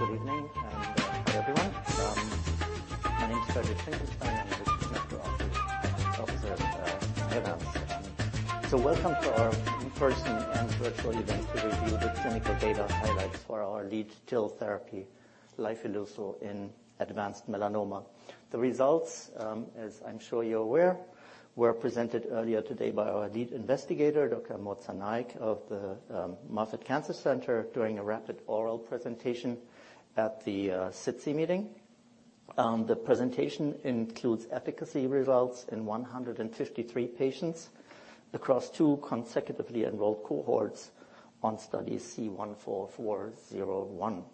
Good evening and hi everyone. My name is Friedrich Graf Finckenstein. I am the Chief Medical Officer at Iovance. Welcome to our in-person and virtual event to review the clinical data highlights for our lead TIL therapy, lifileucel, in advanced melanoma. The results, as I'm sure you're aware, were presented earlier today by our lead investigator, Dr. Amod Sarnaik of the Moffitt Cancer Center, during a rapid oral presentation at the SITC meeting. The presentation includes efficacy results in 153 patients across two consecutively enrolled cohorts on study C-144-01.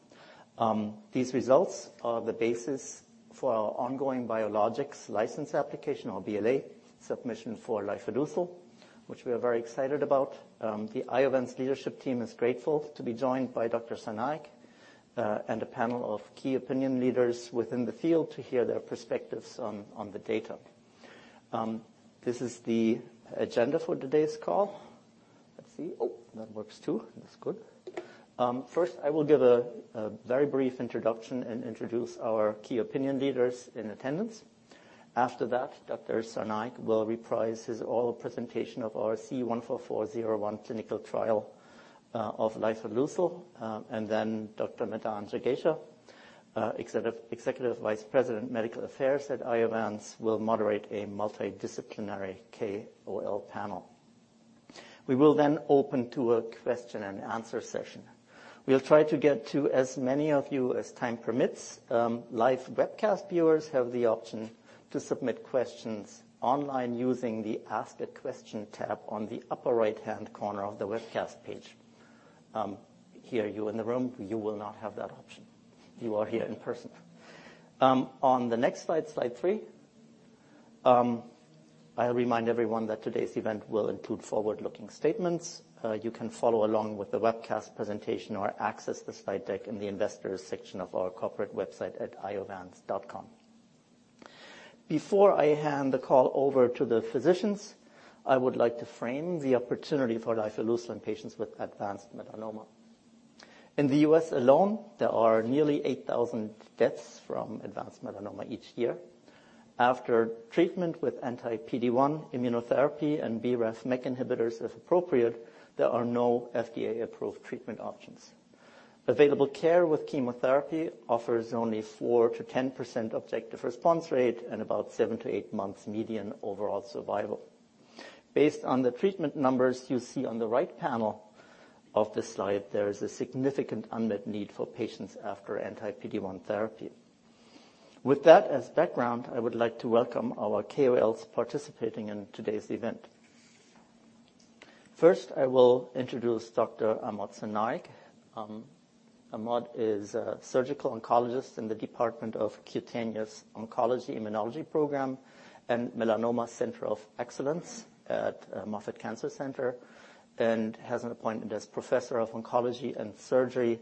These results are the basis for our ongoing biologics license application, or BLA, submission for lifileucel, which we are very excited about. The Iovance leadership team is grateful to be joined by Dr. Sarnaik and a panel of key opinion leaders within the field to hear their perspectives on the data. This is the agenda for today's call. Let's see. Oh, that works too. That's good. First, I will give a very brief introduction and introduce our key opinion leaders in attendance. After that, Dr. Sarnaik will reprise his oral presentation of our C-144-01 clinical trial of lifileucel. Then Dr. Madan Jagasia, Executive Vice President, Medical Affairs at Iovance, will moderate a multidisciplinary KOL panel. We will then open to a question-and-answer session. We'll try to get to as many of you as time permits. Live webcast viewers have the option to submit questions online using the Ask a Question tab on the upper right-hand corner of the webcast page. If you're in the room, you will not have that option. You are here in person. On the next slide three, I'll remind everyone that today's event will include forward-looking statements. You can follow along with the webcast presentation or access the slide deck in the investors section of our corporate website at iovance.com. Before I hand the call over to the physicians, I would like to frame the opportunity for lifileucel in patients with advanced melanoma. In the U.S. alone, there are nearly 8,000 deaths from advanced melanoma each year. After treatment with anti-PD-1 immunotherapy and BRAF/MEK inhibitors as appropriate, there are no FDA-approved treatment options. Available care with chemotherapy offers only 4%-10% objective response rate and about 7-8 months median overall survival. Based on the treatment numbers you see on the right panel of the slide, there is a significant unmet need for patients after anti-PD-1 therapy. With that as background, I would like to welcome our KOLs participating in today's event. First, I will introduce Dr. Amod Sarnaik. Amod is a surgical oncologist in the Department of Cutaneous Oncology Immunology Program and Melanoma Center of Excellence at Moffitt Cancer Center and has an appointment as Professor of Oncology and Surgery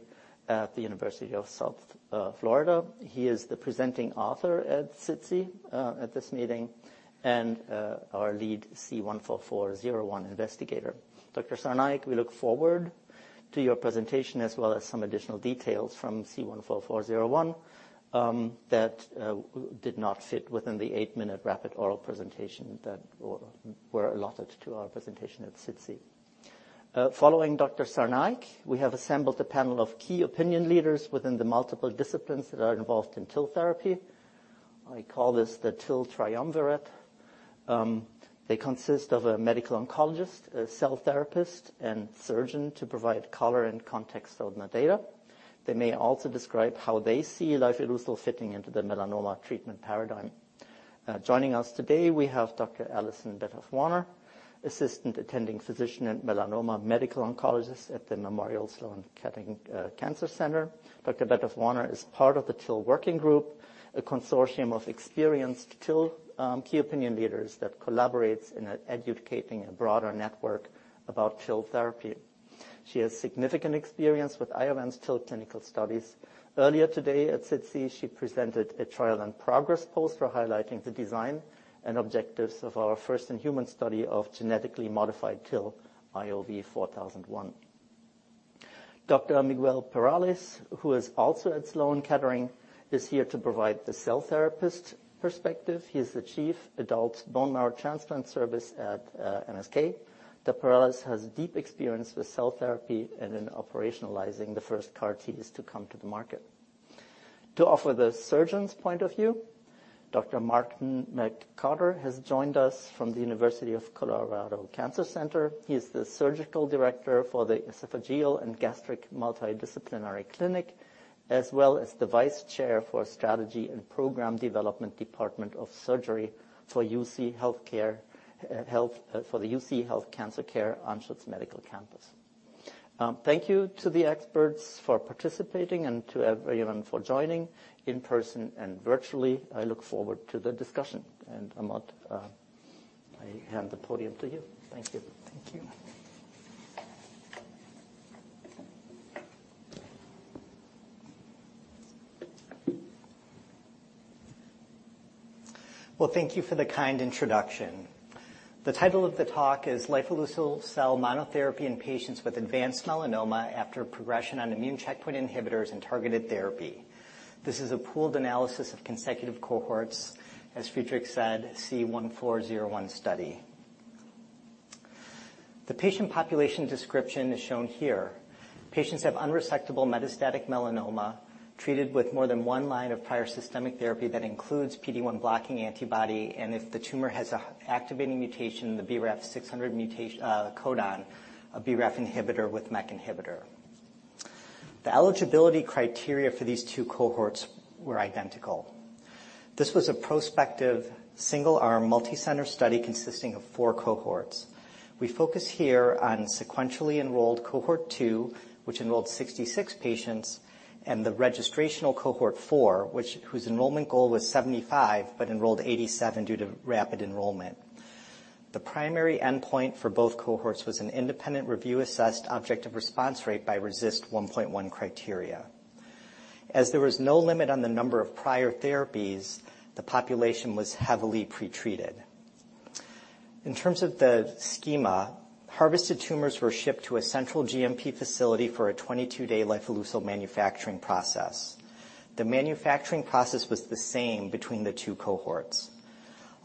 at the University of South Florida. He is the presenting author at SITC at this meeting, and our lead C-144-01 investigator. Dr. Sarnaik, we look forward to your presentation as well as some additional details from C-144-01 that did not fit within the eight-minute rapid oral presentation that were allotted to our presentation at SITC. Following Dr. Sarnaik, we have assembled a panel of key opinion leaders within the multiple disciplines that are involved in TIL therapy. I call this the TIL triumvirate. They consist of a medical oncologist, a cell therapist, and a surgeon to provide color and context of the data. They may also describe how they see lifileucel fitting into the melanoma treatment paradigm. Joining us today, we have Dr. Allison Betof Warner, Assistant Attending Physician and Melanoma Medical Oncologist at the Memorial Sloan Kettering Cancer Center. Dr. Betof-Warner is part of the TIL Working Group, a consortium of experienced TIL key opinion leaders that collaborates in educating a broader network about TIL therapy. She has significant experience with Iovance TIL clinical studies. Earlier today at SITC, she presented a trial and progress poster highlighting the design and objectives of our first in-human study of genetically modified TIL IOV-4001. Dr. Miguel Perales, who is also at Sloan Kettering, is here to provide the cell therapist perspective. He is the Chief Adult Bone Marrow Transplant Service at MSK. Dr. Perales has deep experience with cell therapy and in operationalizing the first CAR Ts to come to the market. To offer the surgeon's point of view, Dr. Martin McCarter has joined us from the University of Colorado Cancer Center. He is the Surgical Director for the Esophageal and Gastric Multidisciplinary Clinic, as well as the Vice Chair for Strategy and Program Development Department of Surgery for the UCHealth Cancer Care Anschutz Medical Campus. Thank you to the experts for participating and to everyone for joining in person and virtually. I look forward to the discussion. Amod, I hand the podium to you. Thank you. Thank you. Well, thank you for the kind introduction. The title of the talk is lifileucel Cell Monotherapy in Patients with Advanced Melanoma after Progression on Immune Checkpoint Inhibitors and Targeted Therapy. This is a pooled analysis of consecutive cohorts, as Friedrich said, C-144-01 study. The patient population description is shown here. Patients have unresectable metastatic melanoma treated with more than one line of prior systemic therapy that includes PD-1 blocking antibody and if the tumor has an activating mutation, the BRAF V600 mutation, a BRAF inhibitor with MEK inhibitor. The eligibility criteria for these two cohorts were identical. This was a prospective single arm multi-center study consisting of four cohorts. We focus here on sequentially enrolled cohort 2, which enrolled 66 patients, and the registrational cohort 4, whose enrollment goal was 75 but enrolled 87 due to rapid enrollment. The primary endpoint for both cohorts was an independent review assessed objective response rate by RECIST 1.1 criteria. As there was no limit on the number of prior therapies, the population was heavily pretreated. In terms of the schema, harvested tumors were shipped to a central GMP facility for a 22-day lifileucel manufacturing process. The manufacturing process was the same between the two cohorts.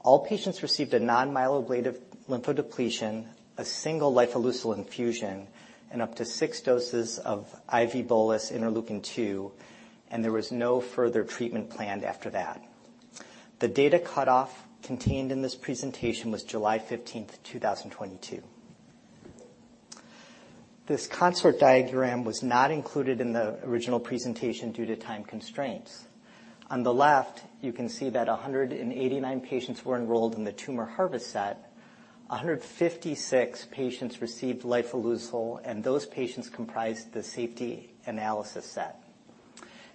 All patients received a non-myeloablative lymphodepletion, a single lifileucel infusion, and up to 6 doses of IV bolus interleukin-2, and there was no further treatment planned after that. The data cutoff contained in this presentation was July 15, 2022. This CONSORT diagram was not included in the original presentation due to time constraints. On the left, you can see that 189 patients were enrolled in the tumor harvest set. 156 patients received lifileucel, and those patients comprised the safety analysis set.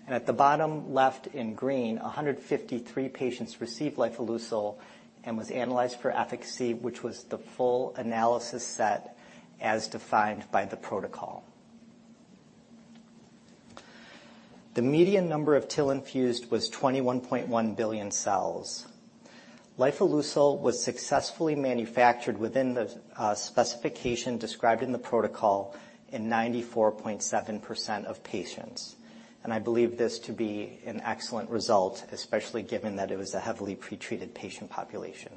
At the bottom left in green, 153 patients received lifileucel and was analyzed for efficacy, which was the full analysis set as defined by the protocol. The median number of TIL infused was 21.1 billion cells. Lifileucel was successfully manufactured within the specification described in the protocol in 94.7% of patients. I believe this to be an excellent result, especially given that it was a heavily pretreated patient population.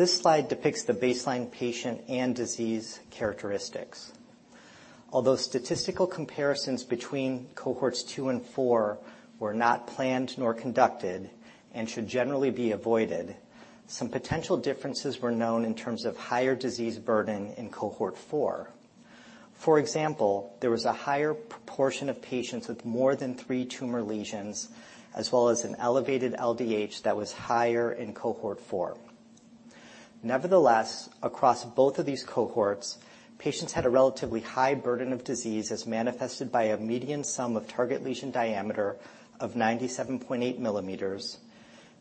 This slide depicts the baseline patient and disease characteristics. Although statistical comparisons between cohorts 2 and 4 were not planned nor conducted and should generally be avoided, some potential differences were known in terms of higher disease burden in cohort 4. For example, there was a higher proportion of patients with more than three tumor lesions, as well as an elevated LDH that was higher in cohort four. Nevertheless, across both of these cohorts, patients had a relatively high burden of disease as manifested by a median sum of target lesion diameter of 97.8 millimeters.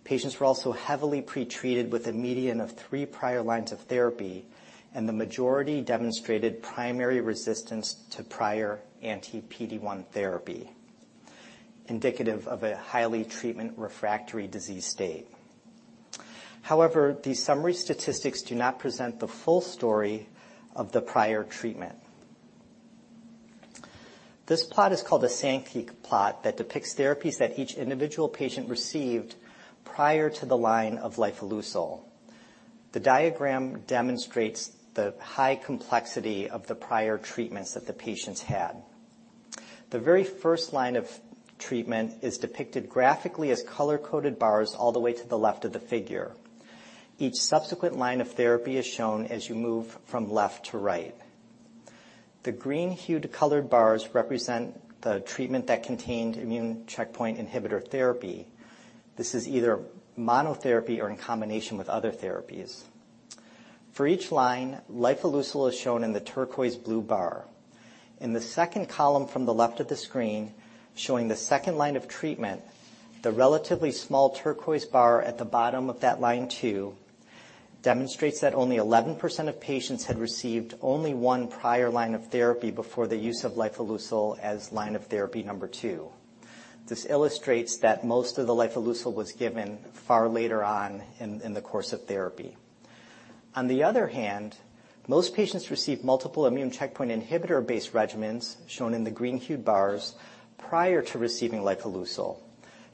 Patients were also heavily pretreated with a median of three prior lines of therapy, and the majority demonstrated primary resistance to prior anti-PD-1 therapy, indicative of a highly treatment refractory disease state. However, these summary statistics do not present the full story of the prior treatment. This plot is called a Sankey plot that depicts therapies that each individual patient received prior to the line of lifileucel. The diagram demonstrates the high complexity of the prior treatments that the patients had. The very first line of treatment is depicted graphically as color-coded bars all the way to the left of the figure. Each subsequent line of therapy is shown as you move from left to right. The green-hued colored bars represent the treatment that contained immune checkpoint inhibitor therapy. This is either monotherapy or in combination with other therapies. For each line, lifileucel is shown in the turquoise blue bar. In the second column from the left of the screen, showing the second line of treatment, the relatively small turquoise bar at the bottom of that line two demonstrates that only 11% of patients had received only one prior line of therapy before the use of lifileucel as line of therapy number two. This illustrates that most of the lifileucel was given far later on in the course of therapy. On the other hand, most patients received multiple immune checkpoint inhibitor-based regimens, shown in the green-hued bars, prior to receiving lifileucel.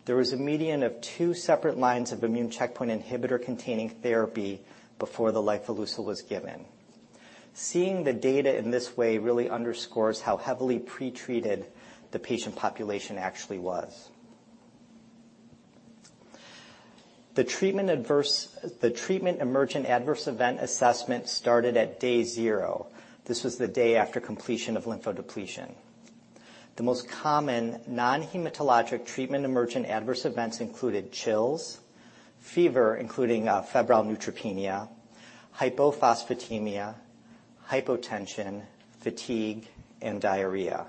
There was a median of two separate lines of immune checkpoint inhibitor-containing therapy before the lifileucel was given. Seeing the data in this way really underscores how heavily pretreated the patient population actually was. The Treatment Emergent Adverse Event assessment started at day zero. This was the day after completion of lymphodepletion. The most common non-hematologic treatment emergent adverse events included chills, fever, including febrile neutropenia, hypophosphatemia, hypotension, fatigue, and diarrhea.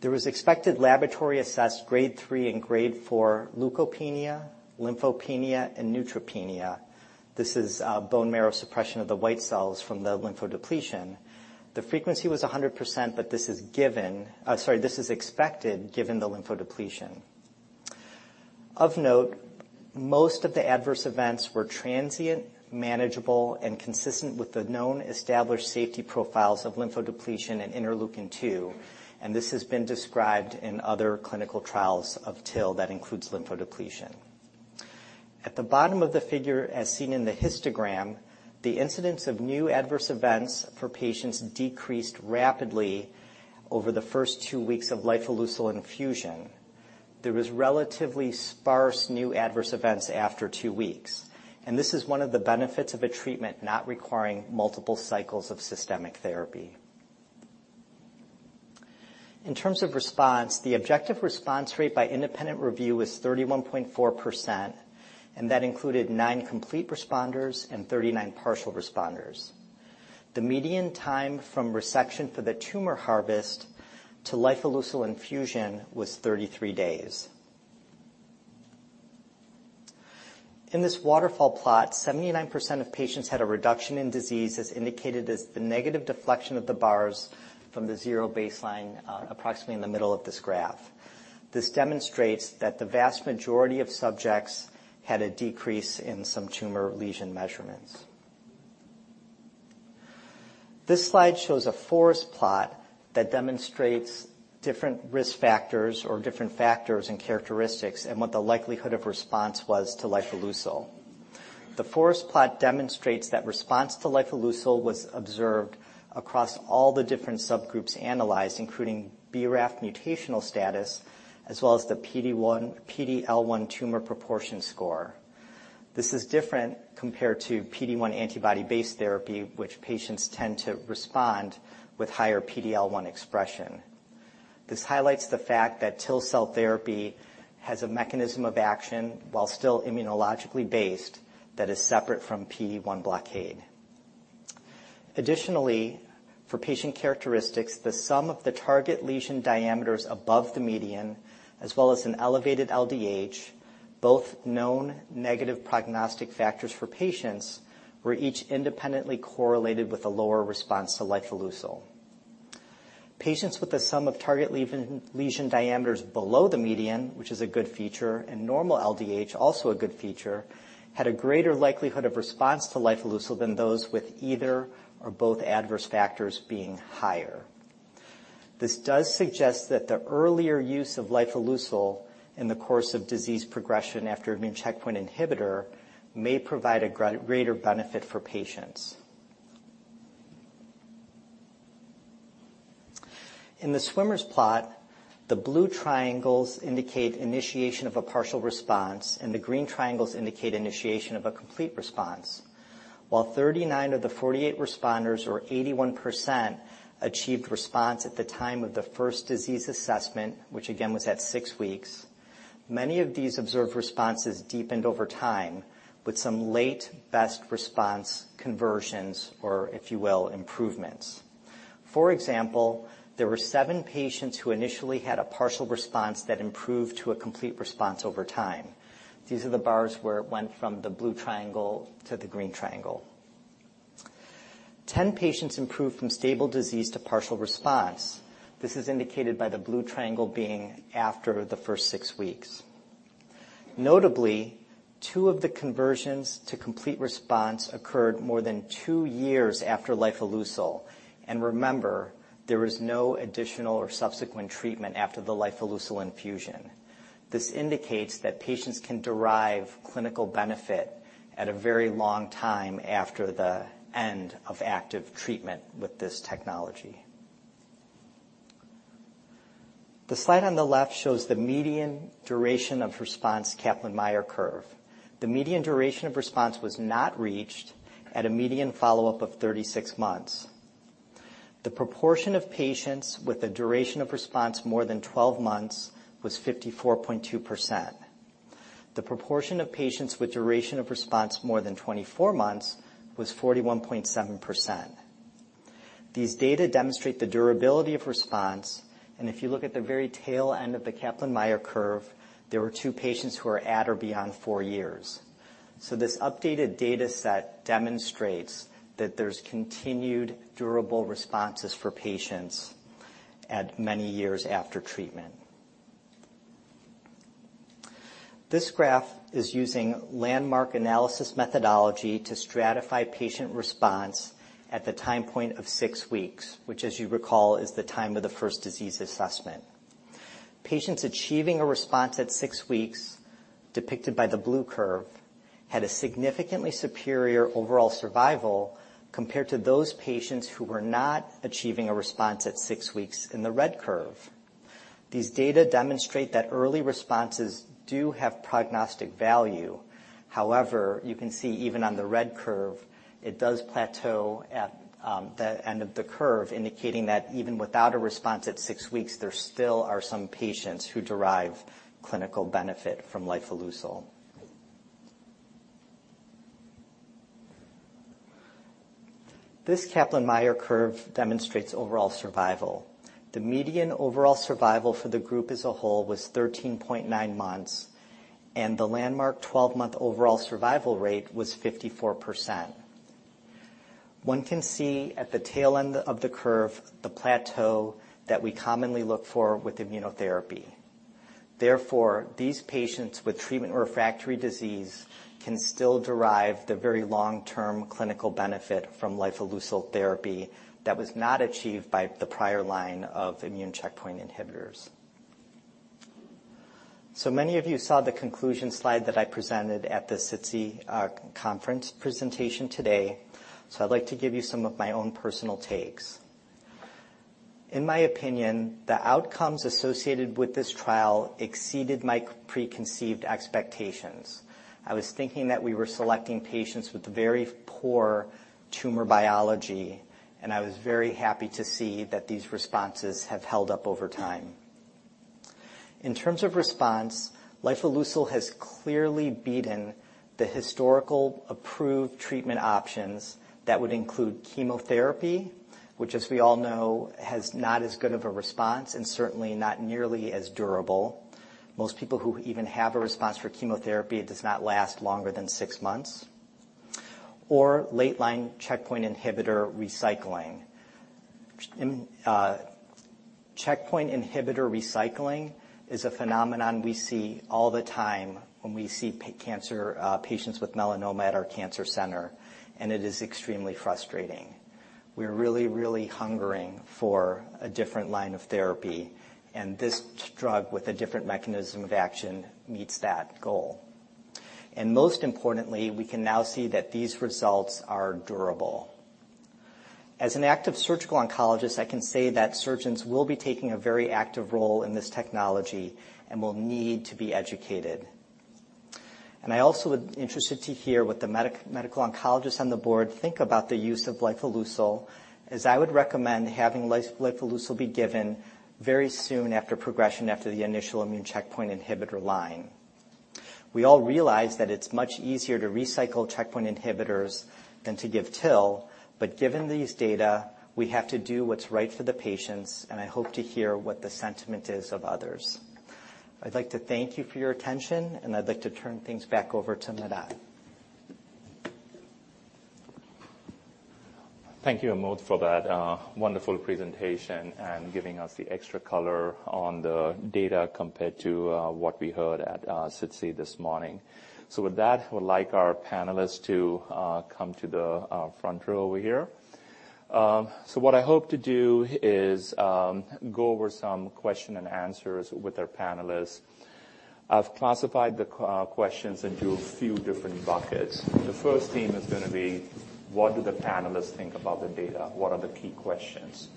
There was expected laboratory-assessed grade three and grade four leukopenia, lymphopenia, and neutropenia. This is bone marrow suppression of the white cells from the lymphodepletion. The frequency was 100%, but this is given. This is expected given the lymphodepletion. Of note, most of the adverse events were transient, manageable, and consistent with the known established safety profiles of lymphodepletion in interleukin two, and this has been described in other clinical trials of TIL that includes lymphodepletion. At the bottom of the figure, as seen in the histogram, the incidence of new adverse events for patients decreased rapidly over the first two weeks of lifileucel infusion. There was relatively sparse new adverse events after two weeks, and this is one of the benefits of a treatment not requiring multiple cycles of systemic therapy. In terms of response, the objective response rate by independent review was 31.4%, and that included nine complete responders and 39 partial responders. The median time from resection for the tumor harvest to lifileucel infusion was 33 days. In this waterfall plot, 79% of patients had a reduction in disease, as indicated by the negative deflection of the bars from the zero baseline, approximately in the middle of this graph. This demonstrates that the vast majority of subjects had a decrease in some tumor lesion measurements. This slide shows a forest plot that demonstrates different risk factors or different factors and characteristics and what the likelihood of response was to lifileucel. The forest plot demonstrates that response to lifileucel was observed across all the different subgroups analyzed, including BRAF mutational status, as well as the PD-1/PD-L1 tumor proportion score. This is different compared to PD-1 antibody-based therapy, which patients tend to respond with higher PD-L1 expression. This highlights the fact that TIL cell therapy has a mechanism of action, while still immunologically based, that is separate from PD-1 blockade. Additionally, for patient characteristics, the sum of the target lesion diameters above the median, as well as an elevated LDH, both known negative prognostic factors for patients, were each independently correlated with a lower response to lifileucel. Patients with the sum of target lesion diameters below the median, which is a good feature, and normal LDH, also a good feature, had a greater likelihood of response to lifileucel than those with either or both adverse factors being higher. This does suggest that the earlier use of lifileucel in the course of disease progression after immune checkpoint inhibitor may provide a greater benefit for patients. In the swimmer plot, the blue triangles indicate initiation of a partial response, and the green triangles indicate initiation of a complete response. While 39 of the 48 responders, or 81%, achieved response at the time of the first disease assessment, which again was at 6 weeks, many of these observed responses deepened over time, with some late best response conversions or, if you will, improvements. For example, there were seven patients who initially had a partial response that improved to a complete response over time. These are the bars where it went from the blue triangle to the green triangle. 10 patients improved from stable disease to partial response. This is indicated by the blue triangle being after the first 6 weeks. Notably, two of the conversions to complete response occurred more than two years after lifileucel. Remember, there was no additional or subsequent treatment after the lifileucel infusion. This indicates that patients can derive clinical benefit at a very long time after the end of active treatment with this technology. The slide on the left shows the median duration of response Kaplan-Meier curve. The median duration of response was not reached at a median follow-up of 36 months. The proportion of patients with a duration of response more than 12 months was 54.2%. The proportion of patients with duration of response more than 24 months was 41.7%. These data demonstrate the durability of response, and if you look at the very tail end of the Kaplan-Meier curve, there were two patients who are at or beyond 4 years. This updated data set demonstrates that there's continued durable responses for patients at many years after treatment. This graph is using landmark analysis methodology to stratify patient response at the time point of six weeks, which as you recall, is the time of the first disease assessment. Patients achieving a response at six weeks, depicted by the blue curve, had a significantly superior overall survival compared to those patients who were not achieving a response at six weeks in the red curve. These data demonstrate that early responses do have prognostic value. However, you can see even on the red curve, it does plateau at the end of the curve, indicating that even without a response at six weeks, there still are some patients who derive clinical benefit from lifileucel. This Kaplan-Meier curve demonstrates overall survival. The median overall survival for the group as a whole was 13.9 months, and the landmark 12-month overall survival rate was 54%. One can see at the tail end of the curve the plateau that we commonly look for with immunotherapy. Therefore, these patients with treatment refractory disease can still derive the very long-term clinical benefit from lifileucel therapy that was not achieved by the prior line of immune checkpoint inhibitors. Many of you saw the conclusion slide that I presented at the SITC conference presentation today. I'd like to give you some of my own personal takes. In my opinion, the outcomes associated with this trial exceeded my preconceived expectations. I was thinking that we were selecting patients with very poor tumor biology, and I was very happy to see that these responses have held up over time. In terms of response, lifileucel has clearly beaten the historical approved treatment options. That would include chemotherapy, which as we all know, has not as good of a response and certainly not nearly as durable. Most people who even have a response for chemotherapy, it does not last longer than six months. Late line checkpoint inhibitor recycling. Checkpoint inhibitor recycling is a phenomenon we see all the time when we see cancer patients with melanoma at our cancer center, and it is extremely frustrating. We're really, really hungering for a different line of therapy, and this drug with a different mechanism of action meets that goal. Most importantly, we can now see that these results are durable. As an active surgical oncologist, I can say that surgeons will be taking a very active role in this technology and will need to be educated. I also would be interested to hear what the medical oncologists on the board think about the use of lifileucel, as I would recommend having lifileucel be given very soon after progression, after the initial immune checkpoint inhibitor line. We all realize that it's much easier to recycle checkpoint inhibitors than to give TIL, but given these data, we have to do what's right for the patients, and I hope to hear what the sentiment is of others. I'd like to thank you for your attention, and I'd like to turn things back over to Madan Jagasia. Thank you, Amod, for that wonderful presentation and giving us the extra color on the data compared to what we heard at SITC this morning. With that, I would like our panelists to come to the front row over here. What I hope to do is go over some question and answers with our panelists. I've classified the questions into a few different buckets. The first theme is gonna be, what do the panelists think about the data? What are the key questions?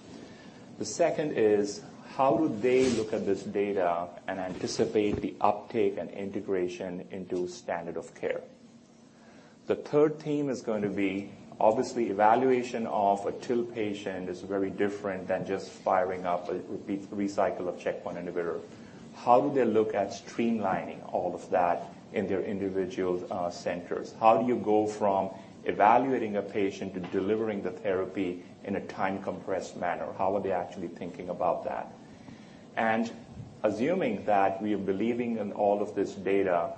The second is, how do they look at this data and anticipate the uptake and integration into standard of care? The third theme is going to be, obviously, evaluation of a TIL patient is very different than just firing up a recycle of checkpoint inhibitor. How do they look at streamlining all of that in their individual centers? How do you go from evaluating a patient to delivering the therapy in a time-compressed manner? How are they actually thinking about that? Assuming that we are believing in all of this data,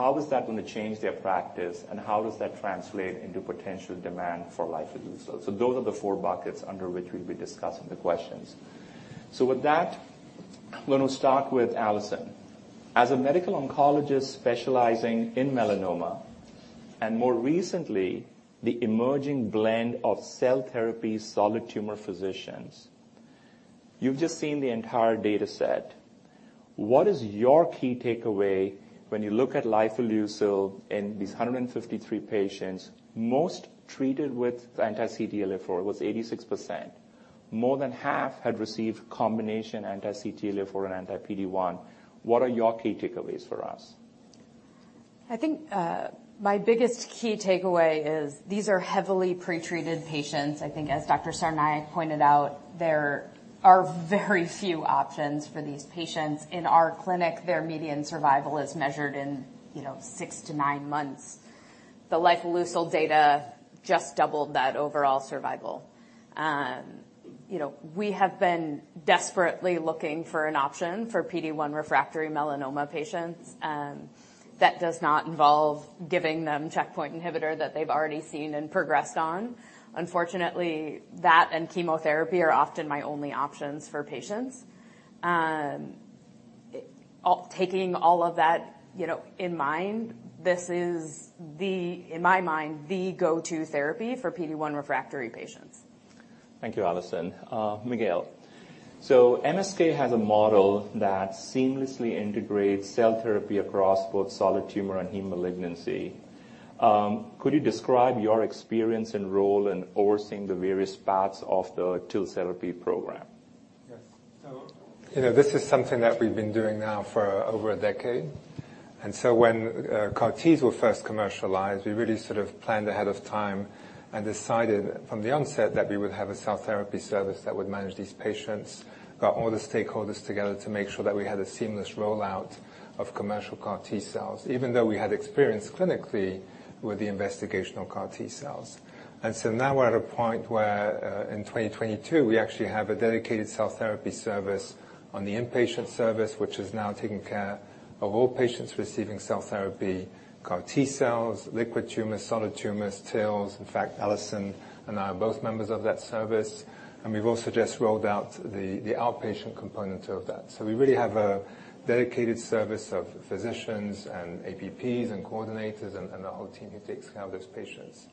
how is that gonna change their practice, and how does that translate into potential demand for lifileucel? Those are the four buckets under which we'll be discussing the questions. With that, I'm gonna start with Allison. As a medical oncologist specializing in melanoma and more recently the emerging blend of cell therapy solid tumor physicians, you've just seen the entire data set. What is your key takeaway when you look at lifileucel in these 153 patients, most treated with anti-CTLA-4, was 86%. More than half had received combination anti-CTLA-4 and anti-PD-1. What are your key takeaways for us? I think my biggest key takeaway is these are heavily pretreated patients. I think as Dr. Sarnaik pointed out, there are very few options for these patients. In our clinic, their median survival is measured in, you know, six to nine months. The lifileucel data just doubled that overall survival. You know, we have been desperately looking for an option for PD-1 refractory melanoma patients that does not involve giving them checkpoint inhibitor that they've already seen and progressed on. Unfortunately, that and chemotherapy are often my only options for patients. Taking all of that, you know, in mind, this is the, in my mind, the go-to therapy for PD-1 refractory patients. Thank you, Allison. Miguel, MSK has a model that seamlessly integrates cell therapy across both solid tumor and heme malignancy. Could you describe your experience and role in overseeing the various parts of the TIL therapy program? Yes. You know, this is something that we've been doing now for over a decade. When CAR T were first commercialized, we really sort of planned ahead of time and decided from the onset that we would have a cell therapy service that would manage these patients. Got all the stakeholders together to make sure that we had a seamless rollout of commercial CAR T cells, even though we had experience clinically with the investigational CAR T cells. Now we're at a point where, in 2022, we actually have a dedicated cell therapy service on the inpatient service, which is now taking care of all patients receiving cell therapy, CAR T cells, liquid tumors, solid tumors, TILs. In fact, Allison and I are both members of that service, and we've also just rolled out the outpatient component of that. We really have a dedicated service of physicians and APPs and coordinators and the whole team who takes care of these patients.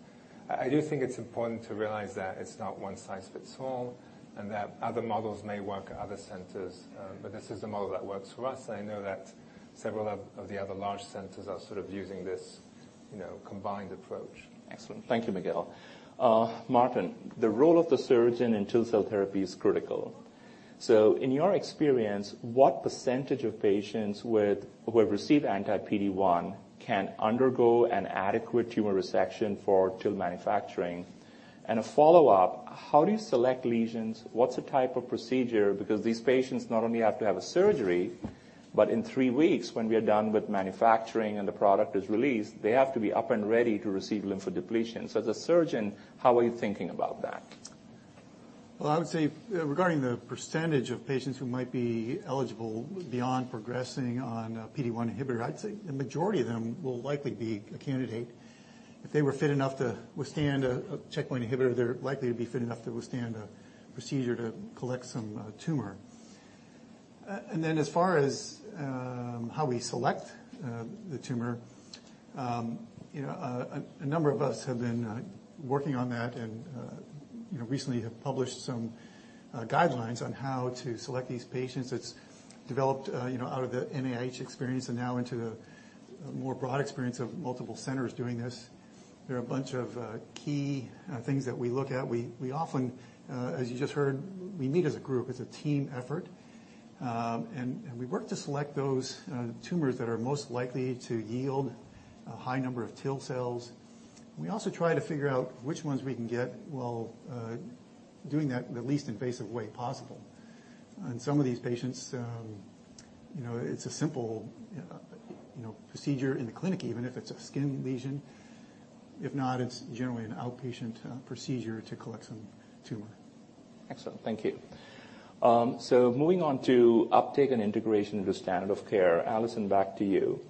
I do think it's important to realize that it's not one size fits all, and that other models may work at other centers, but this is a model that works for us. I know that several of the other large centers are sort of using this, you know, combined approach. Excellent. Thank you, Miguel. Martin, the role of the surgeon in TIL cell therapy is critical. In your experience, what percentage of patients who have received anti-PD-1 can undergo an adequate tumor resection for TIL manufacturing? And a follow-up, how do you select lesions? What's the type of procedure? Because these patients not only have to have a surgery, but in three weeks when we are done with manufacturing and the product is released, they have to be up and ready to receive lymphodepletion. As a surgeon, how are you thinking about that? Well, I would say, regarding the percentage of patients who might be eligible beyond progressing on a PD-1 inhibitor, I'd say the majority of them will likely be a candidate. If they were fit enough to withstand a checkpoint inhibitor, they're likely to be fit enough to withstand a procedure to collect some tumor. As far as how we select the tumor, you know, a number of us have been working on that and, you know, recently have published some guidelines on how to select these patients. It's developed, you know, out of the NIH experience and now into a more broad experience of multiple centers doing this. There are a bunch of key things that we look at. We often, as you just heard, meet as a group, as a team effort. We work to select those tumors that are most likely to yield a high number of TIL cells. We also try to figure out which ones we can get while doing that in the least invasive way possible. In some of these patients, you know, it's a simple, you know, procedure in the clinic, even if it's a skin lesion. If not, it's generally an outpatient procedure to collect some tumor. Excellent. Thank you. So moving on to uptake and integration into standard of care. Allison, back to you.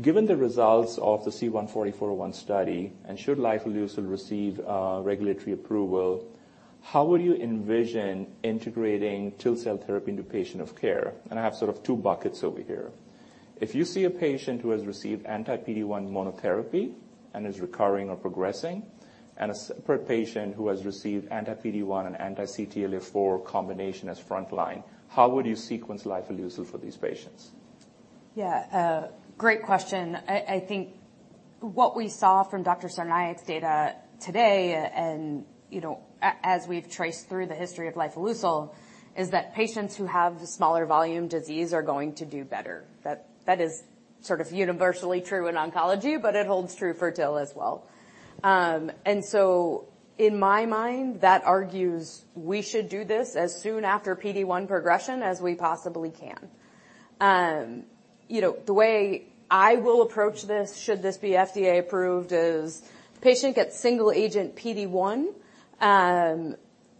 Given the results of the C-144-01 study, and should lifileucel receive regulatory approval, how would you envision integrating TIL cell therapy into patient care? I have sort of two buckets over here. If you see a patient who has received anti-PD-1 monotherapy and is recurring or progressing, and a separate patient who has received anti-PD-1 and anti-CTLA-4 combination as frontline, how would you sequence lifileucel for these patients? Yeah, great question. I think what we saw from Dr. Sarnaik's data today and, you know, as we've traced through the history of lifileucel, is that patients who have the smaller volume disease are going to do better. That is sort of universally true in oncology, but it holds true for TIL as well. In my mind, that argues we should do this as soon after PD-1 progression as we possibly can. You know, the way I will approach this, should this be FDA approved is, patient gets single agent PD-1.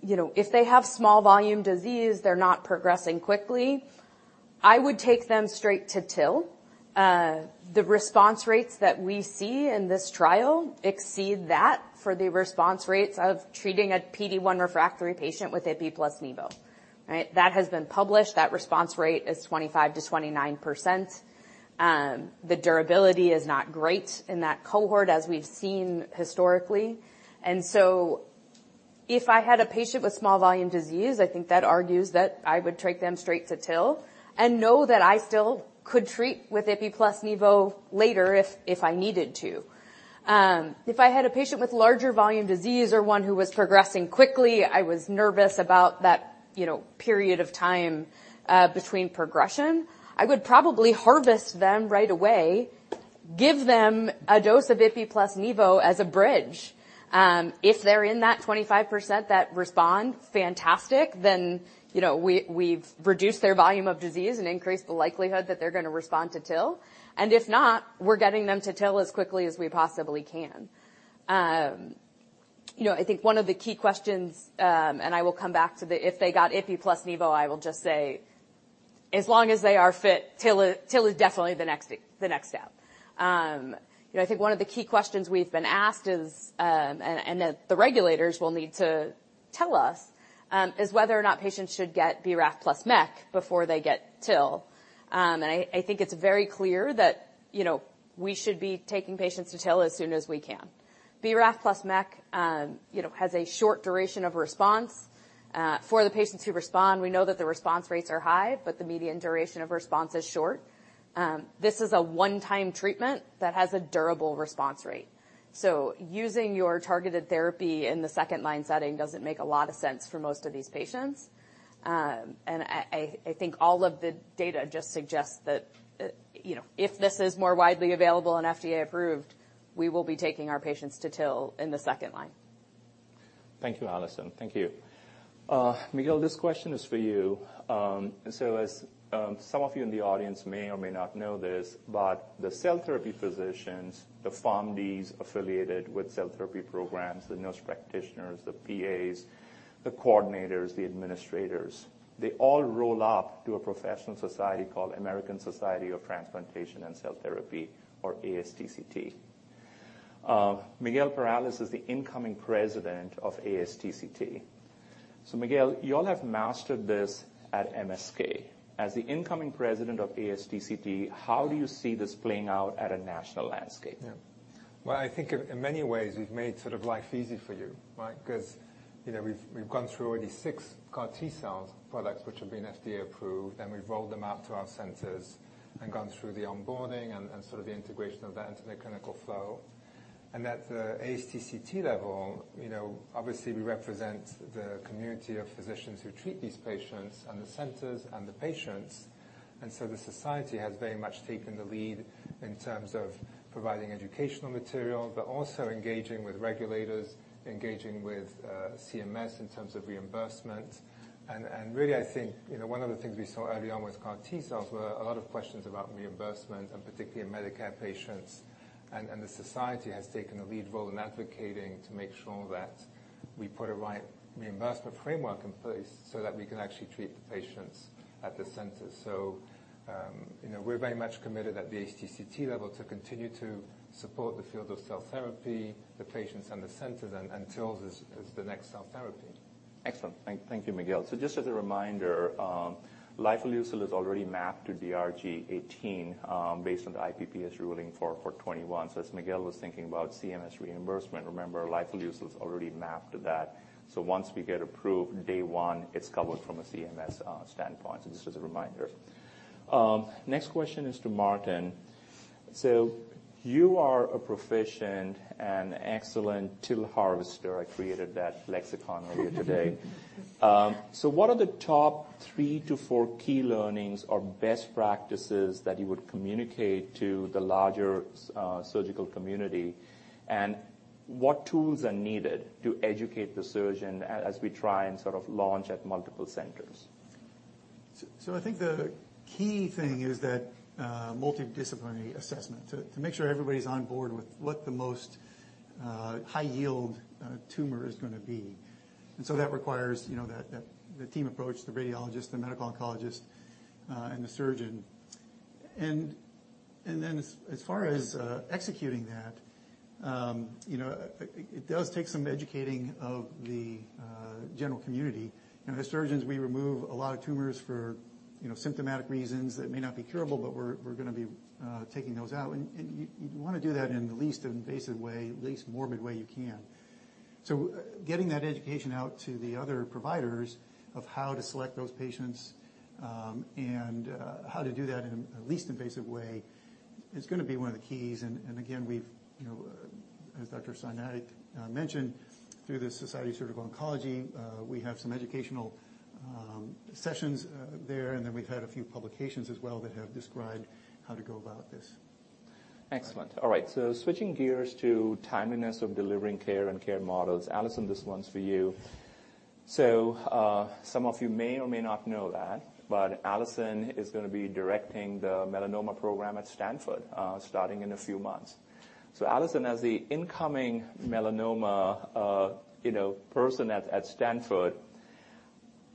You know, if they have small volume disease, they're not progressing quickly, I would take them straight to TIL. The response rates that we see in this trial exceed that for the response rates of treating a PD-1 refractory patient with ipi plus Nivolumab, right? That has been published. That response rate is 25%-29%. The durability is not great in that cohort as we've seen historically. If I had a patient with small volume disease, I think that argues that I would take them straight to TIL and know that I still could treat with ipi plus Nivolumab later if I needed to. If I had a patient with larger volume disease or one who was progressing quickly, I was nervous about that, you know, period of time between progression, I would probably harvest them right away, give them a dose of ipi plus Nivolumab as a bridge. If they're in that 25% that respond, fantastic, you know, we've reduced their volume of disease and increased the likelihood that they're gonna respond to TIL. If not, we're getting them to TIL as quickly as we possibly can. You know, I think one of the key questions, and I will come back to the. If they got ipi plus Nivolumab, I will just say, as long as they are fit, TIL is definitely the next step. You know, I think one of the key questions we've been asked is, and that the regulators will need to tell us, is whether or not patients should get BRAF plus MEK before they get TIL. And I think it's very clear that, you know, we should be taking patients to TIL as soon as we can. BRAF plus MEK, you know, has a short duration of response. For the patients who respond, we know that the response rates are high, but the median duration of response is short. This is a one-time treatment that has a durable response rate. Using your targeted therapy in the second line setting doesn't make a lot of sense for most of these patients. I think all of the data just suggests that, you know, if this is more widely available and FDA approved, we will be taking our patients to TIL in the second line. Thank you, Allison. Thank you. Miguel, this question is for you. Some of you in the audience may or may not know this, but the cell therapy physicians, the PharmDs affiliated with cell therapy programs, the nurse practitioners, the PAs, the coordinators, the administrators, they all roll up to a professional society called American Society for Transplantation and Cellular Therapy or ASTCT. Miguel Perales is the incoming president of ASTCT. Miguel, you all have mastered this at MSK. As the incoming president of ASTCT, how do you see this playing out at a national landscape? Yeah. Well, I think in many ways we've made sort of life easy for you, right? 'Cause, you know, we've gone through already six CAR T-cells products which have been FDA approved, and we've rolled them out to our centers and gone through the onboarding and sort of the integration of that into their clinical flow. At the ASTCT level, you know, obviously we represent the community of physicians who treat these patients and the centers and the patients. So the society has very much taken the lead in terms of providing educational material, but also engaging with regulators, engaging with CMS in terms of reimbursement. Really, I think, you know, one of the things we saw early on with CAR T-cells were a lot of questions about reimbursement, and particularly in Medicare patients. The society has taken a lead role in advocating to make sure that we put a right reimbursement framework in place so that we can actually treat the patients at the center. You know, we're very much committed at the ASTCT level to continue to support the field of cell therapy, the patients and the centers and TILs as the next cell therapy. Excellent. Thank you, Miguel. Just as a reminder, lifileucel is already mapped to DRG 18, based on the IPPS ruling for 21. As Miguel was thinking about CMS reimbursement, remember, lifileucel's already mapped to that. Just as a reminder. Next question is to Martin. You are a proficient and excellent TIL harvester. I created that lexicon earlier today. What are the top 3-4 key learnings or best practices that you would communicate to the larger surgical community? And what tools are needed to educate the surgeon as we try and sort of launch at multiple centers? I think the key thing is that, multidisciplinary assessment to make sure everybody's on board with what the most high yield tumor is gonna be. That requires, you know, the team approach, the radiologist, the medical oncologist, and the surgeon. As far as executing that, you know, it does take some educating of the general community. You know, as surgeons, we remove a lot of tumors for, you know, symptomatic reasons that may not be curable, but we're gonna be taking those out. You wanna do that in the least invasive way, least morbid way you can. Getting that education out to the other providers of how to select those patients, and how to do that in a least invasive way is gonna be one of the keys. Again, we've you know as Dr. Sarnaik mentioned, through the Society of Surgical Oncology, we have some educational sessions there, and then we've had a few publications as well that have described how to go about this. Excellent. All right. Switching gears to timeliness of delivering care and care models. Allison, this one's for you. Some of you may or may not know that, but Allison is gonna be directing the melanoma program at Stanford starting in a few months. Allison, as the incoming melanoma person at Stanford,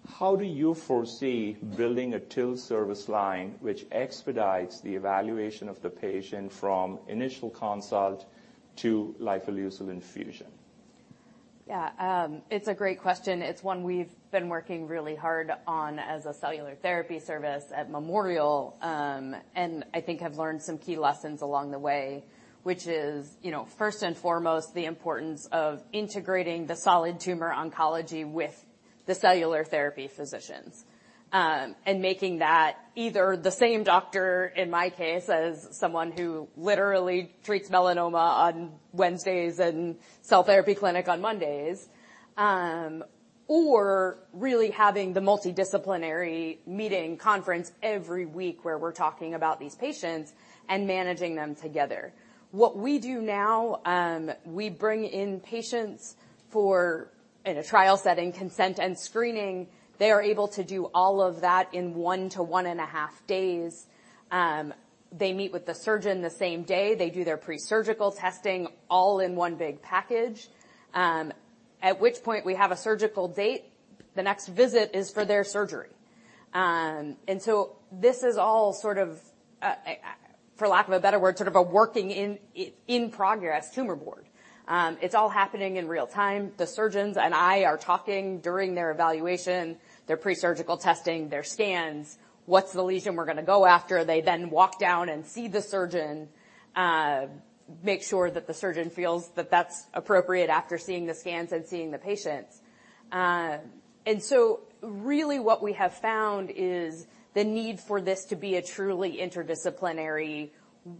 you know, how do you foresee building a TIL service line which expedites the evaluation of the patient from initial consult to lifileucel infusion? Yeah. It's a great question. It's one we've been working really hard on as a cellular therapy service at Memorial. I think have learned some key lessons along the way, which is, you know, first and foremost, the importance of integrating the solid tumor oncology with the cellular therapy physicians. Making that either the same doctor, in my case, as someone who literally treats melanoma on Wednesdays and cell therapy clinic on Mondays, or really having the multidisciplinary meeting conference every week where we're talking about these patients and managing them together. What we do now, we bring in patients for, in a trial setting, consent and screening. They are able to do all of that in one to one and a half days. They meet with the surgeon the same day. They do their pre-surgical testing all in one big package. At which point we have a surgical date. The next visit is for their surgery. This is all sort of, for lack of a better word, sort of a work-in-progress tumor board. It's all happening in real time. The surgeons and I are talking during their evaluation, their pre-surgical testing, their scans. What's the lesion we're gonna go after? They then walk down and see the surgeon, make sure that the surgeon feels that that's appropriate after seeing the scans and seeing the patients. Really what we have found is the need for this to be a truly interdisciplinary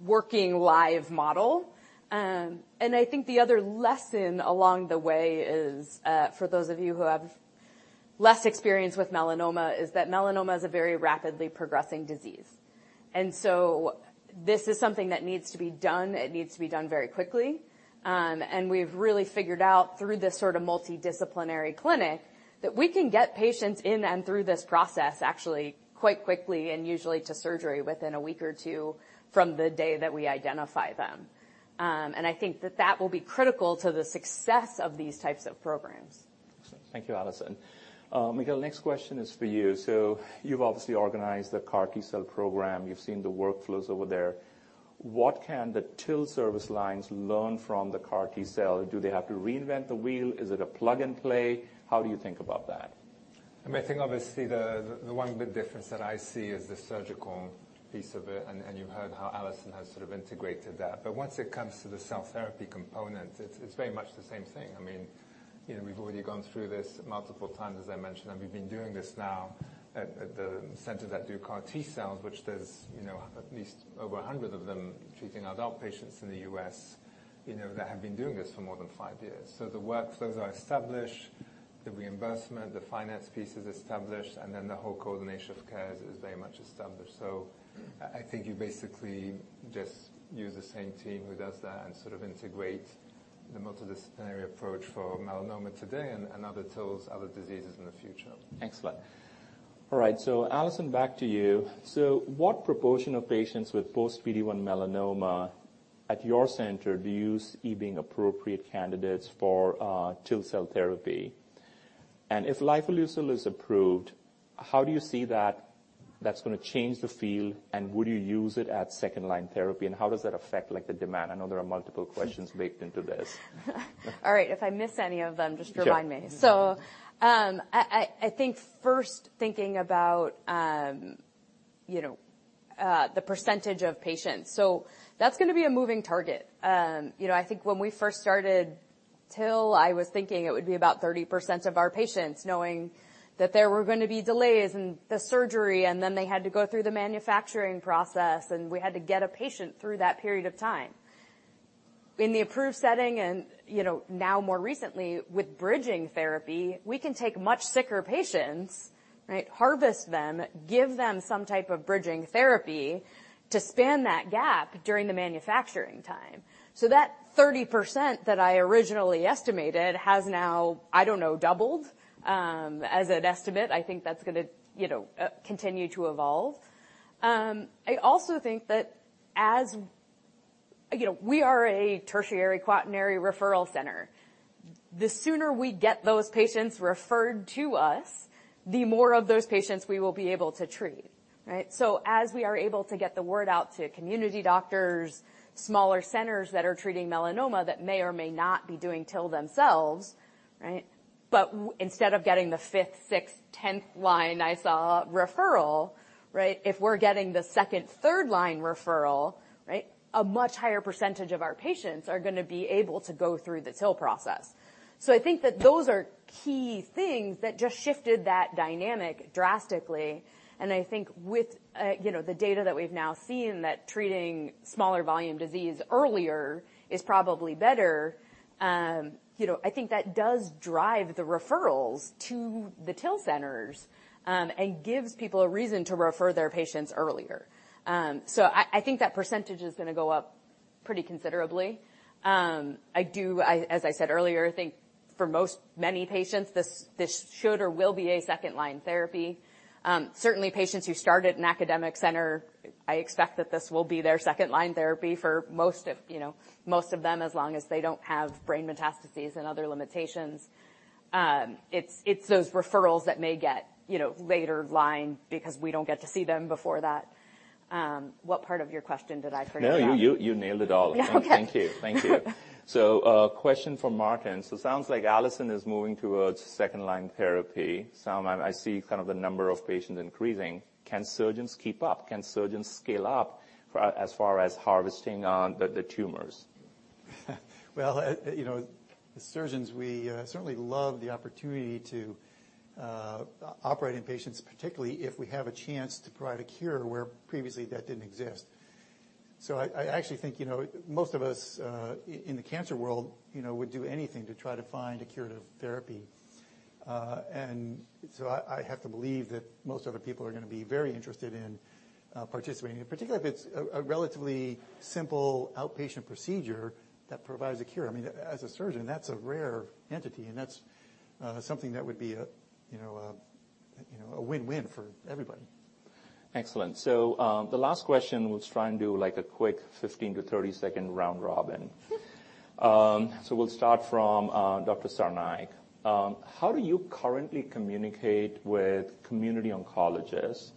working live model. I think the other lesson along the way is, for those of you who have less experience with melanoma, that melanoma is a very rapidly progressing disease. This is something that needs to be done. It needs to be done very quickly. We've really figured out through this sort of multidisciplinary clinic that we can get patients in and through this process actually quite quickly, and usually to surgery within a week or two from the day that we identify them. I think that that will be critical to the success of these types of programs. Thank you, Allison. Miguel, next question is for you. You've obviously organized the CAR T-cell program. You've seen the workflows over there. What can the TIL service lines learn from the CAR T-cell? Do they have to reinvent the wheel? Is it a plug-and-play? How do you think about that? I mean, I think obviously the one big difference that I see is the surgical piece of it, and you heard how Allison has sort of integrated that. Once it comes to the cell therapy component, it's very much the same thing. I mean, you know, we've already gone through this multiple times, as I mentioned, and we've been doing this now at the centers that do CAR T-cells, which there's, you know, at least over 100 of them treating adult patients in the U.S., you know, that have been doing this for more than five years. The workflows are established, the reimbursement, the finance piece is established, and then the whole coordination of cares is very much established. I think you basically just use the same team who does that and sort of integrate the multidisciplinary approach for melanoma today and other TILs, other diseases in the future. Excellent. All right, Allison, back to you. What proportion of patients with post PD-1 melanoma at your center do you see being appropriate candidates for TIL cell therapy? And if lifileucel is approved, how do you see that that's gonna change the field, and would you use it at second-line therapy, and how does that affect, like, the demand? I know there are multiple questions baked into this. All right. If I miss any of them, just remind me. Sure. I think first thinking about, you know, the percentage of patients. That's gonna be a moving target. You know, I think when we first started TIL I was thinking it would be about 30% of our patients knowing that there were gonna be delays in the surgery, and then they had to go through the manufacturing process, and we had to get a patient through that period of time. In the approved setting and, you know, now more recently with bridging therapy, we can take much sicker patients, right, harvest them, give them some type of bridging therapy to span that gap during the manufacturing time. That 30% that I originally estimated has now, I don't know, doubled, as an estimate. I think that's gonna, you know, continue to evolve. I also think that as You know, we are a tertiary, quaternary referral center. The sooner we get those patients referred to us, the more of those patients we will be able to treat, right? As we are able to get the word out to community doctors, smaller centers that are treating melanoma that may or may not be doing TIL themselves, right? Instead of getting the fifth, sixth, tenth line IO referral, right? If we're getting the second, third line referral, right? A much higher percentage of our patients are gonna be able to go through the TIL process. I think that those are key things that just shifted that dynamic drastically, and I think with, you know, the data that we've now seen that treating smaller volume disease earlier is probably better, you know, I think that does drive the referrals to the TIL centers, and gives people a reason to refer their patients earlier. I think that percentage is gonna go up pretty considerably. As I said earlier, think for most, many patients, this should or will be a second-line therapy. Certainly patients who start at an academic center, I expect that this will be their second-line therapy for most of, you know, most of them, as long as they don't have brain metastases and other limitations. It's those referrals that may get, you know, later line because we don't get to see them before that. What part of your question did I forget about? No, you nailed it all. Yeah. Okay. Thank you. Thank you. Question for Martin. Sounds like Allison is moving towards second-line therapy. I see kind of the number of patients increasing. Can surgeons keep up? Can surgeons scale up for as far as harvesting on the tumors? Well, you know, the surgeons, we certainly love the opportunity to operate in patients, particularly if we have a chance to provide a cure where previously that didn't exist. I actually think, you know, most of us in the cancer world, you know, would do anything to try to find a curative therapy. I have to believe that most other people are gonna be very interested in participating, and particularly if it's a relatively simple outpatient procedure that provides a cure. I mean, as a surgeon, that's a rare entity, and that's something that would be, you know, a win-win for everybody. Excellent. The last question, we'll just try and do, like, a quick 15-30second round robin. Sure. We'll start from Dr. Amod Sarnaik. How do you currently communicate with community oncologists?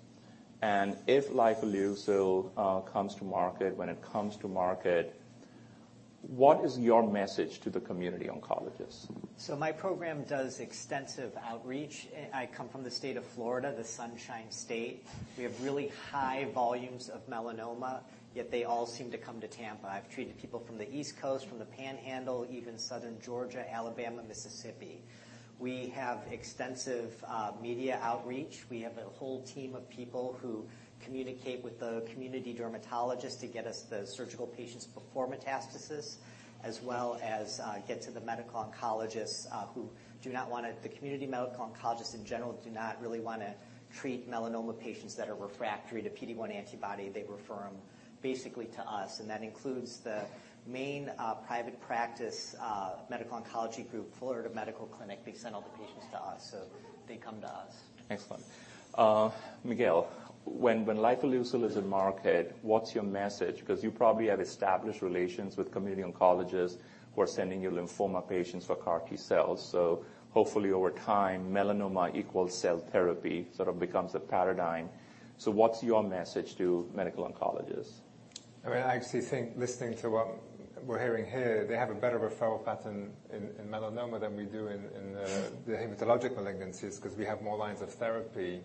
If lifileucel comes to market, when it comes to market, what is your message to the community oncologists? My program does extensive outreach. I come from the state of Florida, the Sunshine State. We have really high volumes of melanoma, yet they all seem to come to Tampa. I've treated people from the East Coast, from the Panhandle, even southern Georgia, Alabama, Mississippi. We have extensive media outreach. We have a whole team of people who communicate with the community dermatologists to get us the surgical patients before metastasis, as well as get to the medical oncologists who do not wanna. The community medical oncologists in general do not really wanna treat melanoma patients that are refractory to PD-1 antibody. They refer 'em basically to us, and that includes the main private practice medical oncology group, Florida Medical Clinic. They send all the patients. They come to us. Excellent. Miguel Perales, when lifileucel is in market, what's your message? 'Cause you probably have established relations with community oncologists who are sending you lymphoma patients for CAR T-cells. So hopefully, over time, melanoma equals cell therapy, sort of becomes a paradigm. What's your message to medical oncologists? I mean, I actually think listening to what we're hearing here, they have a better referral pattern in melanoma than we do in the hematologic malignancies, 'cause we have more lines of therapy.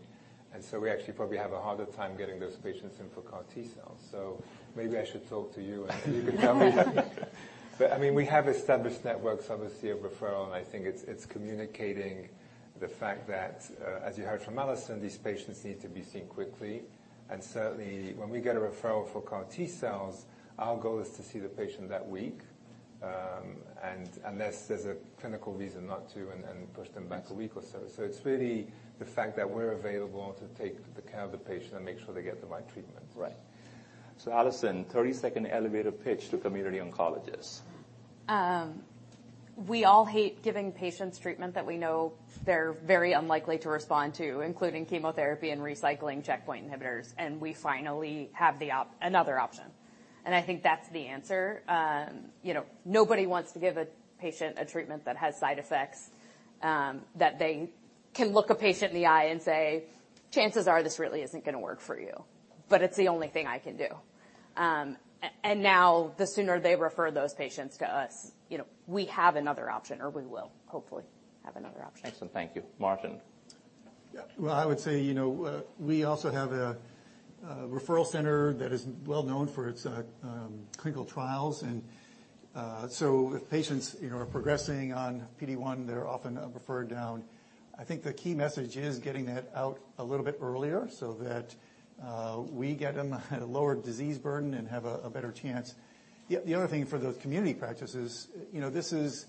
We actually probably have a harder time getting those patients in for CAR T-cells. Maybe I should talk to you, and you can tell me. I mean, we have established networks, obviously, of referral, and I think it's communicating the fact that, as you heard from Alison, these patients need to be seen quickly. Certainly, when we get a referral for CAR T-cells, our goal is to see the patient that week, and unless there's a clinical reason not to and push them back a week or so. It's really the fact that we're available to take care of the patient and make sure they get the right treatment. Right. Allison, 30-second elevator pitch to community oncologists. We all hate giving patients treatment that we know they're very unlikely to respond to, including chemotherapy and recycling checkpoint inhibitors, and we finally have another option. I think that's the answer. You know, nobody wants to give a patient a treatment that has side effects, that they can look a patient in the eye and say, "Chances are this really isn't gonna work for you, but it's the only thing I can do." Now the sooner they refer those patients to us, you know, we have another option or we will hopefully have another option. Excellent. Thank you. Martin? Yeah. Well, I would say, you know, we also have a referral center that is well-known for its clinical trials. If patients, you know, are progressing on PD-1, they're often referred down. I think the key message is getting that out a little bit earlier so that we get them at a lower disease burden and have a better chance. Yet the other thing for those community practices, you know, this is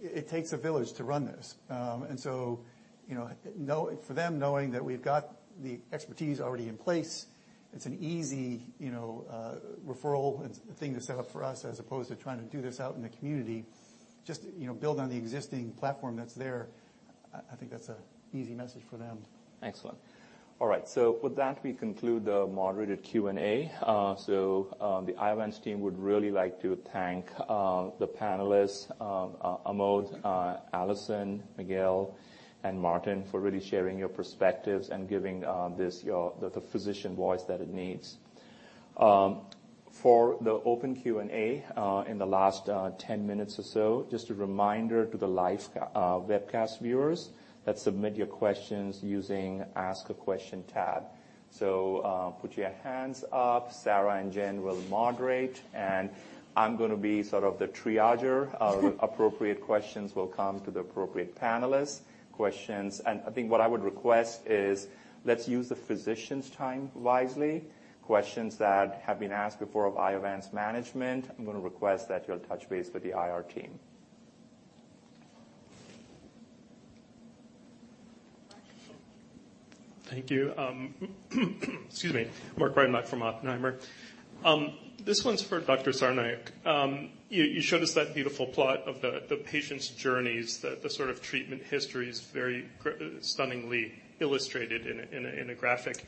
it takes a village to run this. For them knowing that we've got the expertise already in place, it's an easy, you know, referral and thing to set up for us as opposed to trying to do this out in the community. Just, you know, build on the existing platform that's there. I think that's an easy message for them. Excellent. All right, with that, we conclude the moderated Q&A. The Iovance team would really like to thank the panelists, Amod, Allison, Miguel, and Martin for really sharing your perspectives and giving this the physician voice that it needs. For the open Q&A in the last 10 minutes or so, just a reminder to the live webcast viewers, let's submit your questions using Ask a Question tab. Put your hands up. Sarah and Jen will moderate, and I'm gonna be sort of the triager. Appropriate questions will come to the appropriate panelists. Questions. I think what I would request is let's use the physicians' time wisely. Questions that have been asked before of Iovance management, I'm gonna request that you'll touch base with the IR team. Thank you. Excuse me. Mark Breidenbach from Oppenheimer. This one's for Dr. Sarnaik. You showed us that beautiful plot of the patient's journeys, the sort of treatment histories stunningly illustrated in a graphic.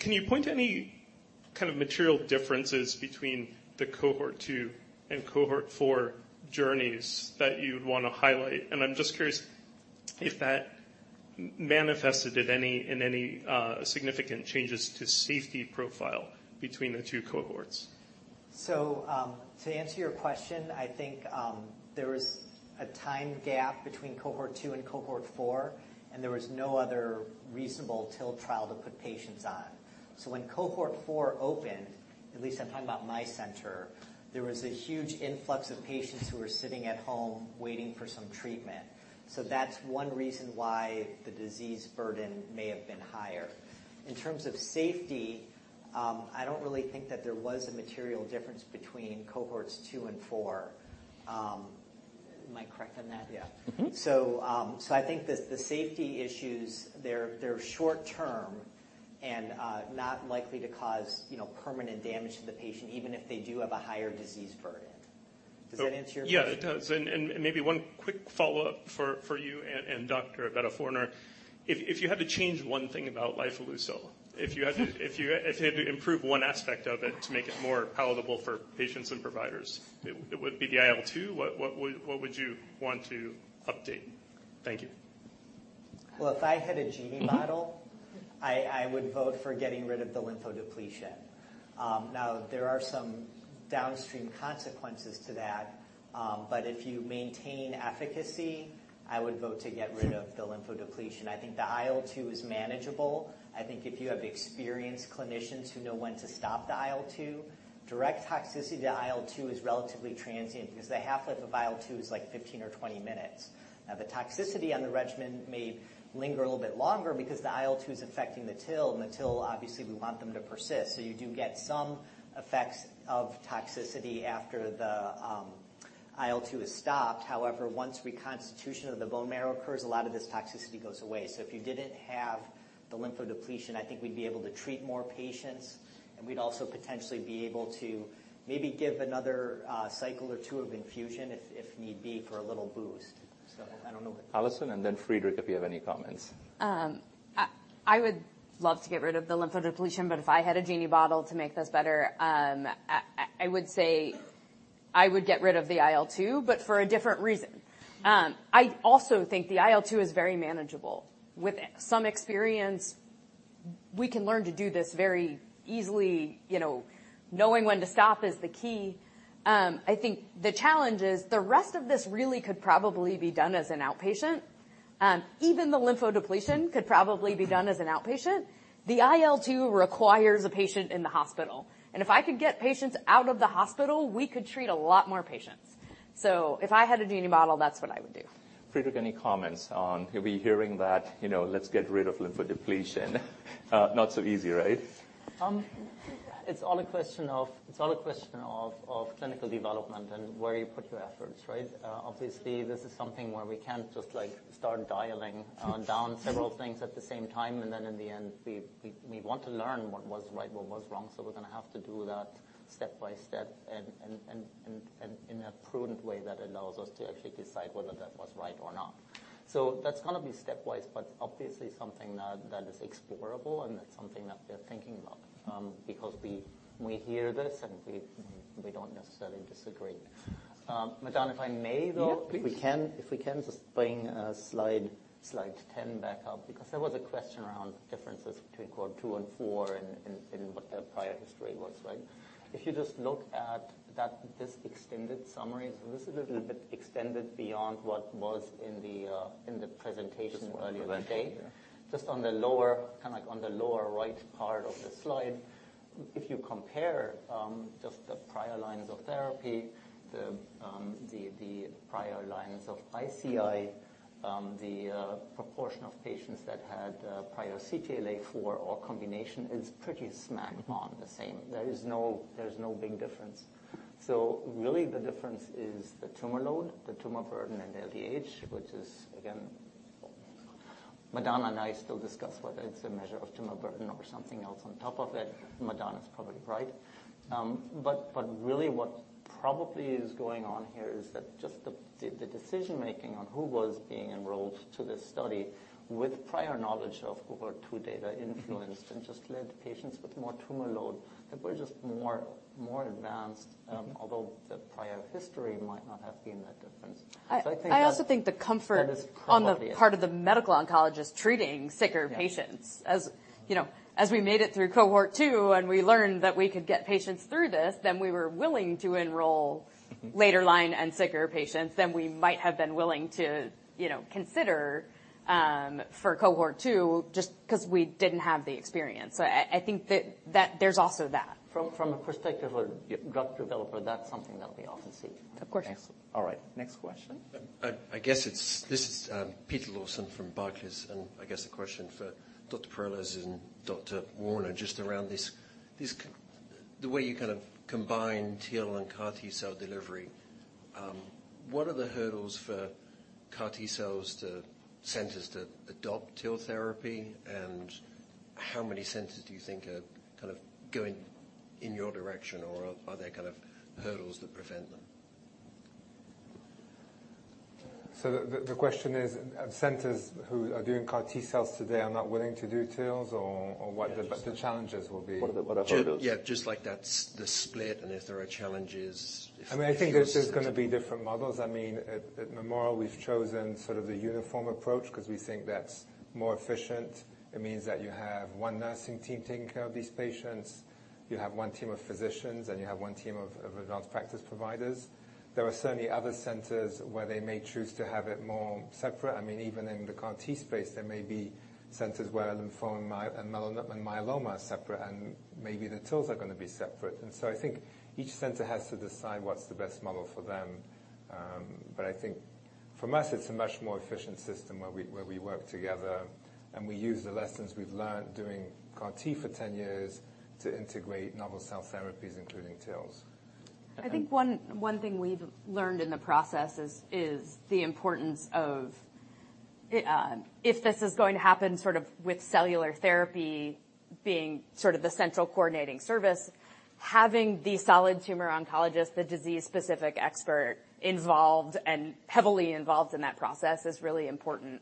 Can you point to any kind of material differences between the cohort 2 and cohort 4 journeys that you'd wanna highlight? I'm just curious if that manifested in any significant changes to safety profile between the two cohorts. To answer your question, I think there was a time gap between Cohort 2 and Cohort 4, and there was no other reasonable TIL trial to put patients on. When Cohort 4 opened, at least I'm talking about my center, there was a huge influx of patients who were sitting at home waiting for some treatment. That's one reason why the disease burden may have been higher. In terms of safety, I don't really think that there was a material difference between Cohorts 2 and 4. Am I correct on that? Yeah. Mm-hmm. I think the safety issues, they're short-term and not likely to cause, you know, permanent damage to the patient, even if they do have a higher disease burden. Does that answer your question? Yeah, it does. Maybe one quick follow-up for you and Dr. Betof-Warner. If you had to change one thing about lifileucel to make it more palatable for patients and providers, it would be the IL-2? What would you want to update? Thank you. Well, if I had a genie bottle, I would vote for getting rid of the lymphodepletion. Now, there are some downstream consequences to that. If you maintain efficacy, I would vote to get rid of the lymphodepletion. I think the IL-2 is manageable. I think if you have experienced clinicians who know when to stop the IL-2, direct toxicity to IL-2 is relatively transient because the half-life of IL-2 is like 15 or 20 minutes. Now, the toxicity on the regimen may linger a little bit longer because the IL-2 is affecting the TIL, and the TIL, obviously we want them to persist. You do get some effects of toxicity after the. IL-2 is stopped. However, once reconstitution of the bone marrow occurs, a lot of this toxicity goes away. If you didn't have the lymphodepletion, I think we'd be able to treat more patients, and we'd also potentially be able to maybe give another cycle or two of infusion if need be, for a little boost. I don't know what. Allison, and then Friedrich, if you have any comments. I would love to get rid of the lymphodepletion, but if I had a genie bottle to make this better, I would say I would get rid of the IL-2, but for a different reason. I also think the IL-2 is very manageable. With some experience, we can learn to do this very easily. You know, knowing when to stop is the key. I think the challenge is the rest of this really could probably be done as an outpatient. Even the lymphodepletion could probably be done as an outpatient. The IL-2 requires a patient in the hospital. If I could get patients out of the hospital, we could treat a lot more patients. If I had a genie bottle, that's what I would do. Friedrich, any comments? You'll be hearing that, you know, let's get rid of lymphodepletion. Not so easy, right? It's all a question of clinical development and where you put your efforts, right? Obviously, this is something where we can't just, like, start dialing down several things at the same time, and then in the end, we want to learn what was right, what was wrong, so we're gonna have to do that step by step and in a prudent way that allows us to actually decide whether that was right or not. So that's gonna be stepwise, but obviously something that is explorable and it's something that we're thinking about, because we hear this and we don't necessarily disagree. Madan, if I may, though. Yeah, please. If we can just bring slide 10 back up because there was a question around differences between cohort 2 and 4 and what their prior history was like. If you just look at that, this extended summary is a little bit extended beyond what was in the presentation earlier in the day. Just on the lower, kinda like on the lower right part of the slide, if you compare just the prior lines of therapy, the prior lines of ICI, the proportion of patients that had prior CTLA-4 or combination is pretty smack on the same. There is no big difference. Really the difference is the tumor load, the tumor burden and LDH, which is again, Madan and I still discuss whether it's a measure of tumor burden or something else on top of it. Madan's probably right. But really what probably is going on here is that just the decision making on who was being enrolled to this study with prior knowledge of cohort two data influenced and just led patients with more tumor load that were just more advanced, although the prior history might not have been that different. I think that- I also think the comfort That is probably it. on the part of the medical oncologist treating sicker patients. Yeah as you know, as we made it through cohort two and we learned that we could get patients through this, then we were willing to enroll later line and sicker patients than we might have been willing to, you know, consider for cohort two just 'cause we didn't have the experience. I think that there's also that. From a perspective of a drug developer, that's something that we often see. Of course. Excellent. All right. Next question. This is Peter Lawson from Barclays, and I guess the question for Dr. Perales and Dr. Betof Warner just around the way you kind of combine TIL and CAR T-cell delivery. What are the hurdles for CAR T-cells to centers to adopt TIL therapy, and how many centers do you think are kind of going in your direction or are there kind of hurdles that prevent them? The question is, centers who are doing CAR T-cells today are not willing to do TILs or what the challenges will be? What are the hurdles? Yeah, just like that's the split and if there are challenges. I mean, I think there's gonna be different models. I mean, at Memorial, we've chosen sort of a uniform approach 'cause we think that's more efficient. It means that you have one nursing team taking care of these patients, you have one team of physicians, and you have one team of advanced practice providers. There are certainly other centers where they may choose to have it more separate. I mean, even in the CAR T space, there may be centers where lymphoma and myeloma are separate, and maybe the TILs are gonna be separate. I think each center has to decide what's the best model for them. I think for us, it's a much more efficient system where we work together, and we use the lessons we've learned doing CAR T for 10 years to integrate novel cell therapies, including TILs. I think one thing we've learned in the process is the importance of, if this is going to happen sort of with cellular therapy being sort of the central coordinating service, having the solid tumor oncologist, the disease-specific expert involved and heavily involved in that process is really important.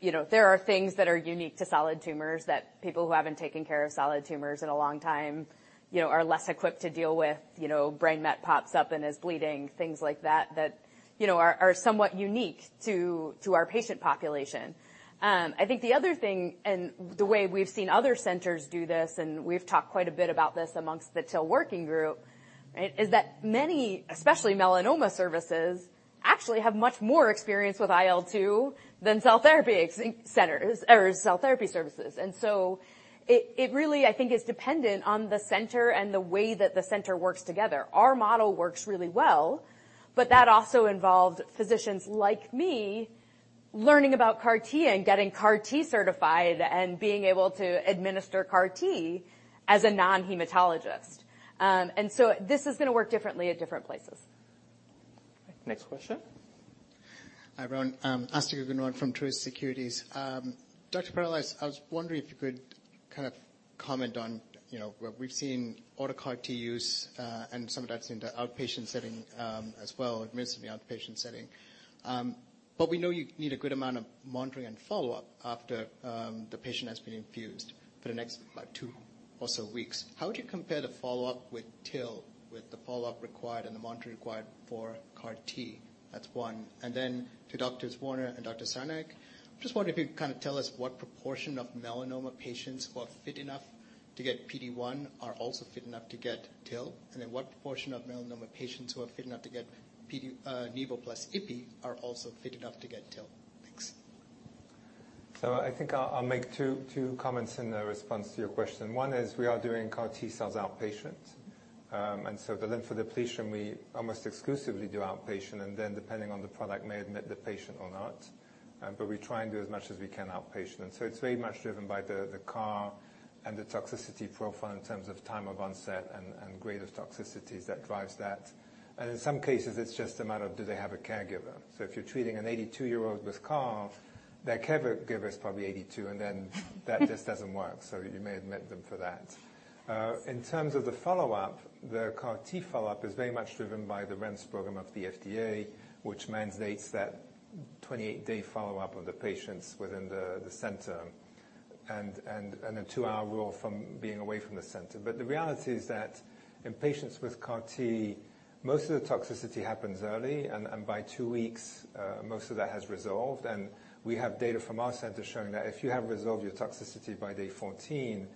You know, there are things that are unique to solid tumors that people who haven't taken care of solid tumors in a long time, you know, are less equipped to deal with. You know, brain met pops up and is bleeding, things like that you know, are somewhat unique to our patient population. I think the other thing and the way we've seen other centers do this, and we've talked quite a bit about this among the TIL Working Group, right, is that many, especially melanoma services, actually have much more experience with IL-2 than cell therapy centers or cell therapy services. It really, I think, is dependent on the center and the way that the center works together. Our model works really well, but that also involved physicians like me learning about CAR T and getting CAR T certified and being able to administer CAR T as a non-hematologist. This is gonna work differently at different places. Next question. Hi, everyone. I'm Asthika Goonewardene from Truist Securities. Dr. Pardoll, I was wondering if you could kind of comment on, you know, what we've seen with CAR T use, and some of that's in the outpatient setting, as well, administered in the outpatient setting. But we know you need a good amount of monitoring and follow-up after the patient has been infused for the next, like, two or so weeks. How would you compare the follow-up with TIL with the follow-up required and the monitoring required for CAR T? That's one. And then to Doctors Warner and Dr. Sarnaik, I just wondered if you'd kinda tell us what proportion of melanoma patients who are fit enough to get PD-1 are also fit enough to get TIL. And then what proportion of melanoma patients who are fit enough to get PD... Nivo plus Ipi are also fit enough to get TIL. Thanks. I think I'll make two comments in the response to your question. One is we are doing CAR T cells outpatient. The lymphodepletion we almost exclusively do outpatient, and then depending on the product, may admit the patient or not. We try and do as much as we can outpatient. It's very much driven by the CAR and the toxicity profile in terms of time of onset and greater toxicities that drives that. In some cases, it's just a matter of do they have a caregiver? If you're treating an 82-year-old with CAR, their caregiver is probably 82, and then that just doesn't work, so you may admit them for that. In terms of the follow-up, the CAR T follow-up is very much driven by the REMS program of the FDA, which mandates that 28-day follow-up of the patients within the center and a two hour rule from being away from the center. The reality is that in patients with CAR T, most of the toxicity happens early, and by two weeks, most of that has resolved. We have data from our center showing that if you have resolved your toxicity by day 14,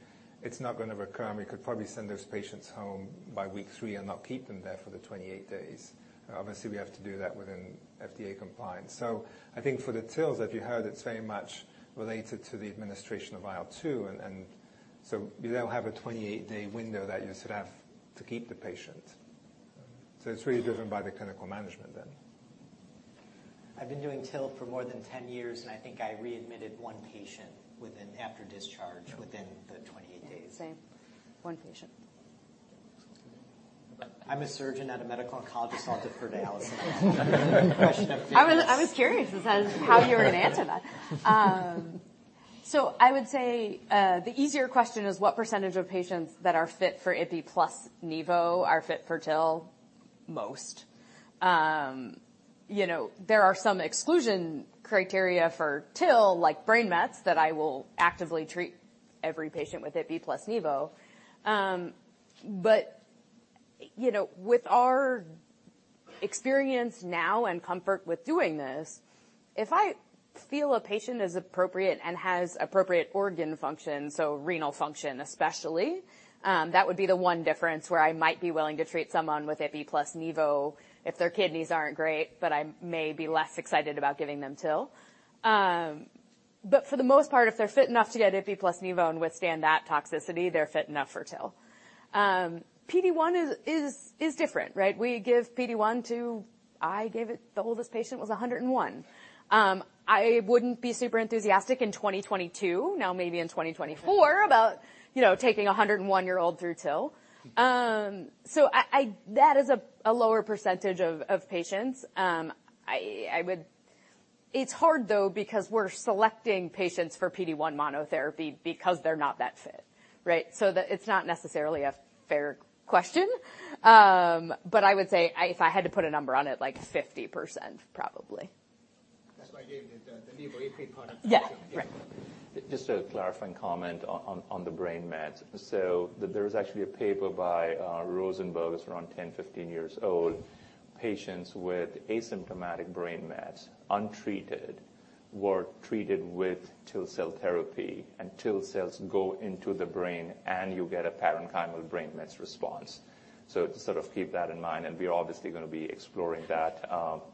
it's not gonna recur, and we could probably send those patients home by week 3 and not keep them there for the 28 days. Obviously, we have to do that within FDA compliance. I think for the TILs that you heard, it's very much related to the administration of IL-2, and so you now have a 28-day window that you sort of have to keep the patient. It's really driven by the clinical management then. I've been doing TIL for more than 10 years, and I think I readmitted one patient after discharge within the 28 days. Yeah, same. One patient. I'm a surgeon, not a medical oncologist, so I'll defer to Allison on the question of business. I was curious as to how you were gonna answer that. I would say the easier question is what percentage of patients that are fit for Ipilimumab plus Nivo are fit for TIL, most. You know, there are some exclusion criteria for TIL, like brain mets, that I will actively treat every patient with Ipilimumab plus Nivo. You know, with our experience now and comfort with doing this, if I feel a patient is appropriate and has appropriate organ function, so renal function especially, that would be the one difference where I might be willing to treat someone with Ipilimumab plus Nivo if their kidneys aren't great, but I may be less excited about giving them TIL. For the most part, if they're fit enough to get Ipilimumab plus Nivo and withstand that toxicity, they're fit enough for TIL. PD-1 is different, right? We give PD-1 to. I gave it. The oldest patient was 101. I wouldn't be super enthusiastic in 2022, now maybe in 2024 about, you know, taking a 101-year-old through TIL. That is a lower percentage of patients. I would. It's hard though because we're selecting patients for PD-1 monotherapy because they're not that fit, right? It's not necessarily a fair question. I would say if I had to put a number on it, like 50% probably. That's why I gave the Nivo Ipilimumab product. Yeah. Right. Just a clarifying comment on the brain mets. There was actually a paper by Rosenberg. It's around 10-15 years old. Patients with asymptomatic brain mets, untreated, were treated with TIL cell therapy, and TIL cells go into the brain, and you get a parenchymal brain mets response. To sort of keep that in mind, and we're obviously gonna be exploring that,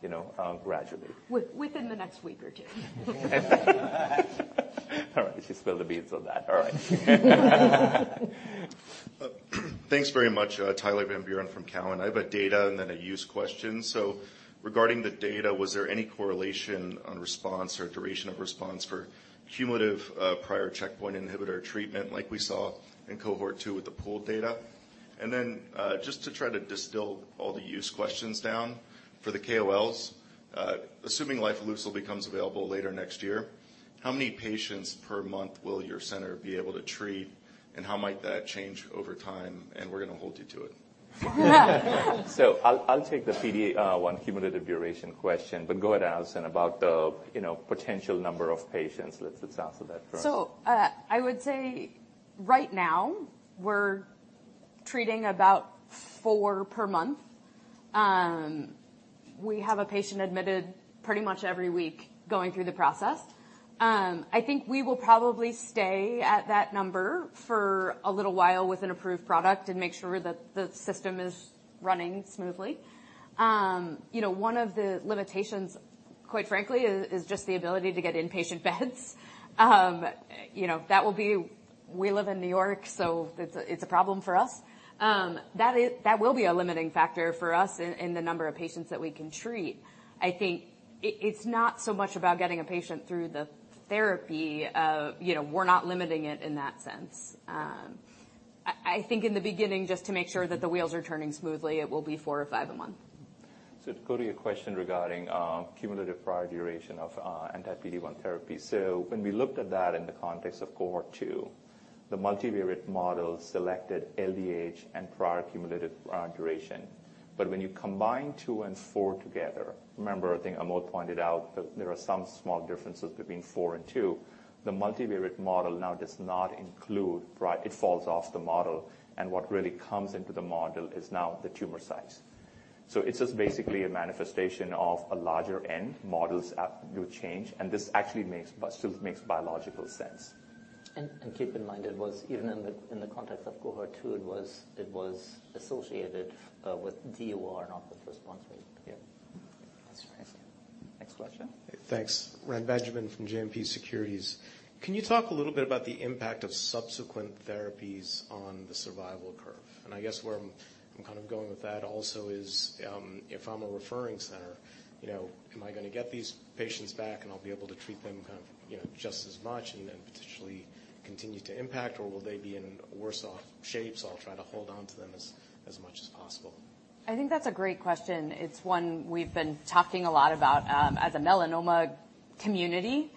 you know, gradually. Within the next week or two. All right. She spilled the beans on that. All right. Thanks very much. Tyler Van Buren from Cowen. I have a data and then a use question. Regarding the data, was there any correlation on response or duration of response for cumulative prior checkpoint inhibitor treatment like we saw in cohort two with the pooled data? Just to try to distill all the use questions down for the KOLs, assuming Lifileucel becomes available later next year, how many patients per month will your center be able to treat, and how might that change over time? We're gonna hold you to it. Yeah. I'll take the PD-1 cumulative duration question, but go ahead, Allison, about the, you know, potential number of patients. Let's answer that first. I would say right now we're treating about four per month. We have a patient admitted pretty much every week going through the process. I think we will probably stay at that number for a little while with an approved product and make sure that the system is running smoothly. You know, one of the limitations, quite frankly, is just the ability to get inpatient beds. You know, that will be. We live in New York, so it's a problem for us. That will be a limiting factor for us in the number of patients that we can treat. I think it's not so much about getting a patient through the therapy. You know, we're not limiting it in that sense. I think in the beginning, just to make sure that the wheels are turning smoothly, it will be 4 or 5 in one. To go to your question regarding cumulative prior duration of anti-PD-1 therapy. When we looked at that in the context of Cohort 2, the multivariate model selected LDH and prior cumulative duration. But when you combine 2 and 4 together, remember, I think Amod pointed out that there are some small differences between 4 and 2. The multivariate model now does not include prior. It falls off the model, and what really comes into the model is now the tumor size. It's just basically a manifestation of a larger N. Models do change, and this actually makes biological sense. Keep in mind, it was even in the context of cohort 2, it was associated with DOR, not the response rate. Yeah. That's right. Next question. Thanks. Reni Benjamin from JMP Securities. Can you talk a little bit about the impact of subsequent therapies on the survival curve? I guess where I'm kind of going with that also is, if I'm a referring center, you know, am I gonna get these patients back and I'll be able to treat them kind of, you know, just as much and potentially continue to impact, or will they be in worse off shape, so I'll try to hold on to them as much as possible? I think that's a great question. It's one we've been talking a lot about, as a melanoma community.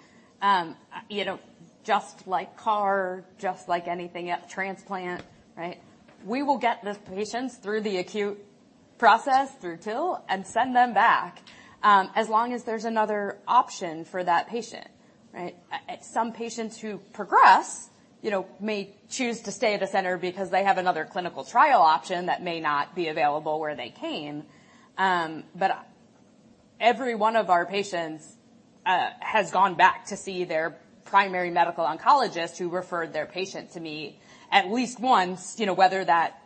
You know, just like CAR, just like anything, a transplant, right? We will get the patients through the acute process, through TIL, and send them back, as long as there's another option for that patient, right? Some patients who progress, you know, may choose to stay at the center because they have another clinical trial option that may not be available where they came. Every one of our patients has gone back to see their primary medical oncologist who referred their patient to me at least once, you know, whether that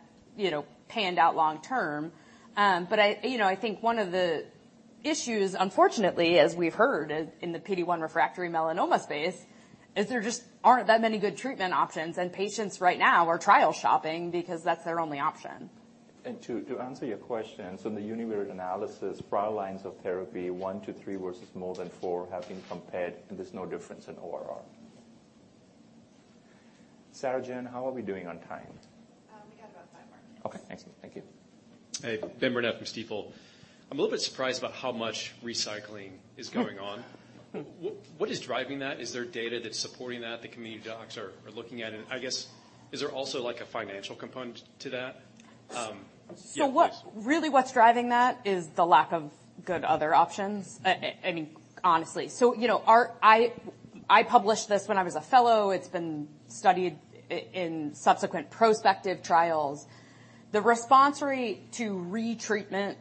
panned out long term. I, you know, I think one of the issues, unfortunately, as we've heard in the PD-1 refractory melanoma space, is there just aren't that many good treatment options, and patients right now are trial shopping because that's their only option. To answer your question, so in the univariate analysis, prior lines of therapy, 1-3 versus more than 4 have been compared, and there's no difference in ORR. Sarah Jen, how are we doing on time? We got about five more minutes. Okay, excellent. Thank you. Hey, Ben Burnett from Stifel. I'm a little bit surprised about how much recycling is going on. What is driving that? Is there data that's supporting that the community docs are looking at? I guess, is there also like a financial component to that? Yeah, please. What's driving that is the lack of good other options. I mean, honestly. You know, I published this when I was a fellow. It's been studied in subsequent prospective trials. The response rate to retreatment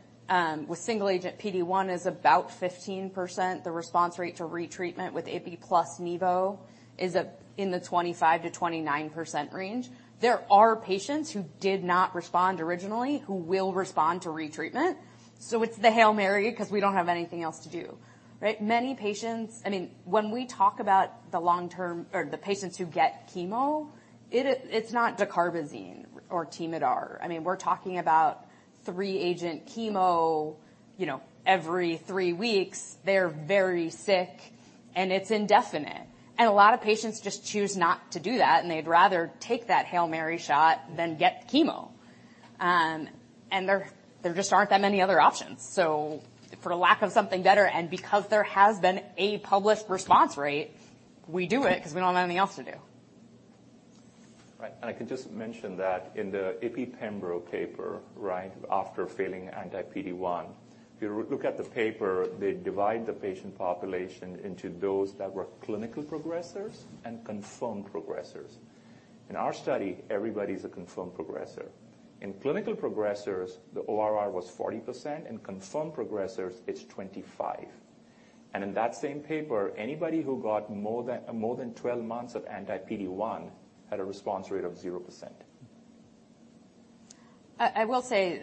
with single-agent PD-1 is about 15%. The response rate to retreatment with ipi plus Nivolumab is in the 25%-29% range. There are patients who did not respond originally who will respond to retreatment, so it's the Hail Mary 'cause we don't have anything else to do, right? Many patients, I mean, when we talk about the long-term or the patients who get chemo, it's not Dacarbazine or Temodar. I mean, we're talking about three-agent chemo, you know, every three weeks. They're very sick, and it's indefinite. A lot of patients just choose not to do that, and they'd rather take that Hail Mary shot than get chemo. There just aren't that many other options. For lack of something better and because there has been a published response rate, we do it 'cause we don't have anything else to do. Right. I can just mention that in the Ipilimumab-pembrolizumab paper, right? After failing anti-PD-1, if you look at the paper, they divide the patient population into those that were clinical progressors and confirmed progressors. In our study, everybody's a confirmed progressor. In clinical progressors, the ORR was 40%. In confirmed progressors, it's 25%. In that same paper, anybody who got more than 12 months of anti-PD-1 had a response rate of 0%. I will say,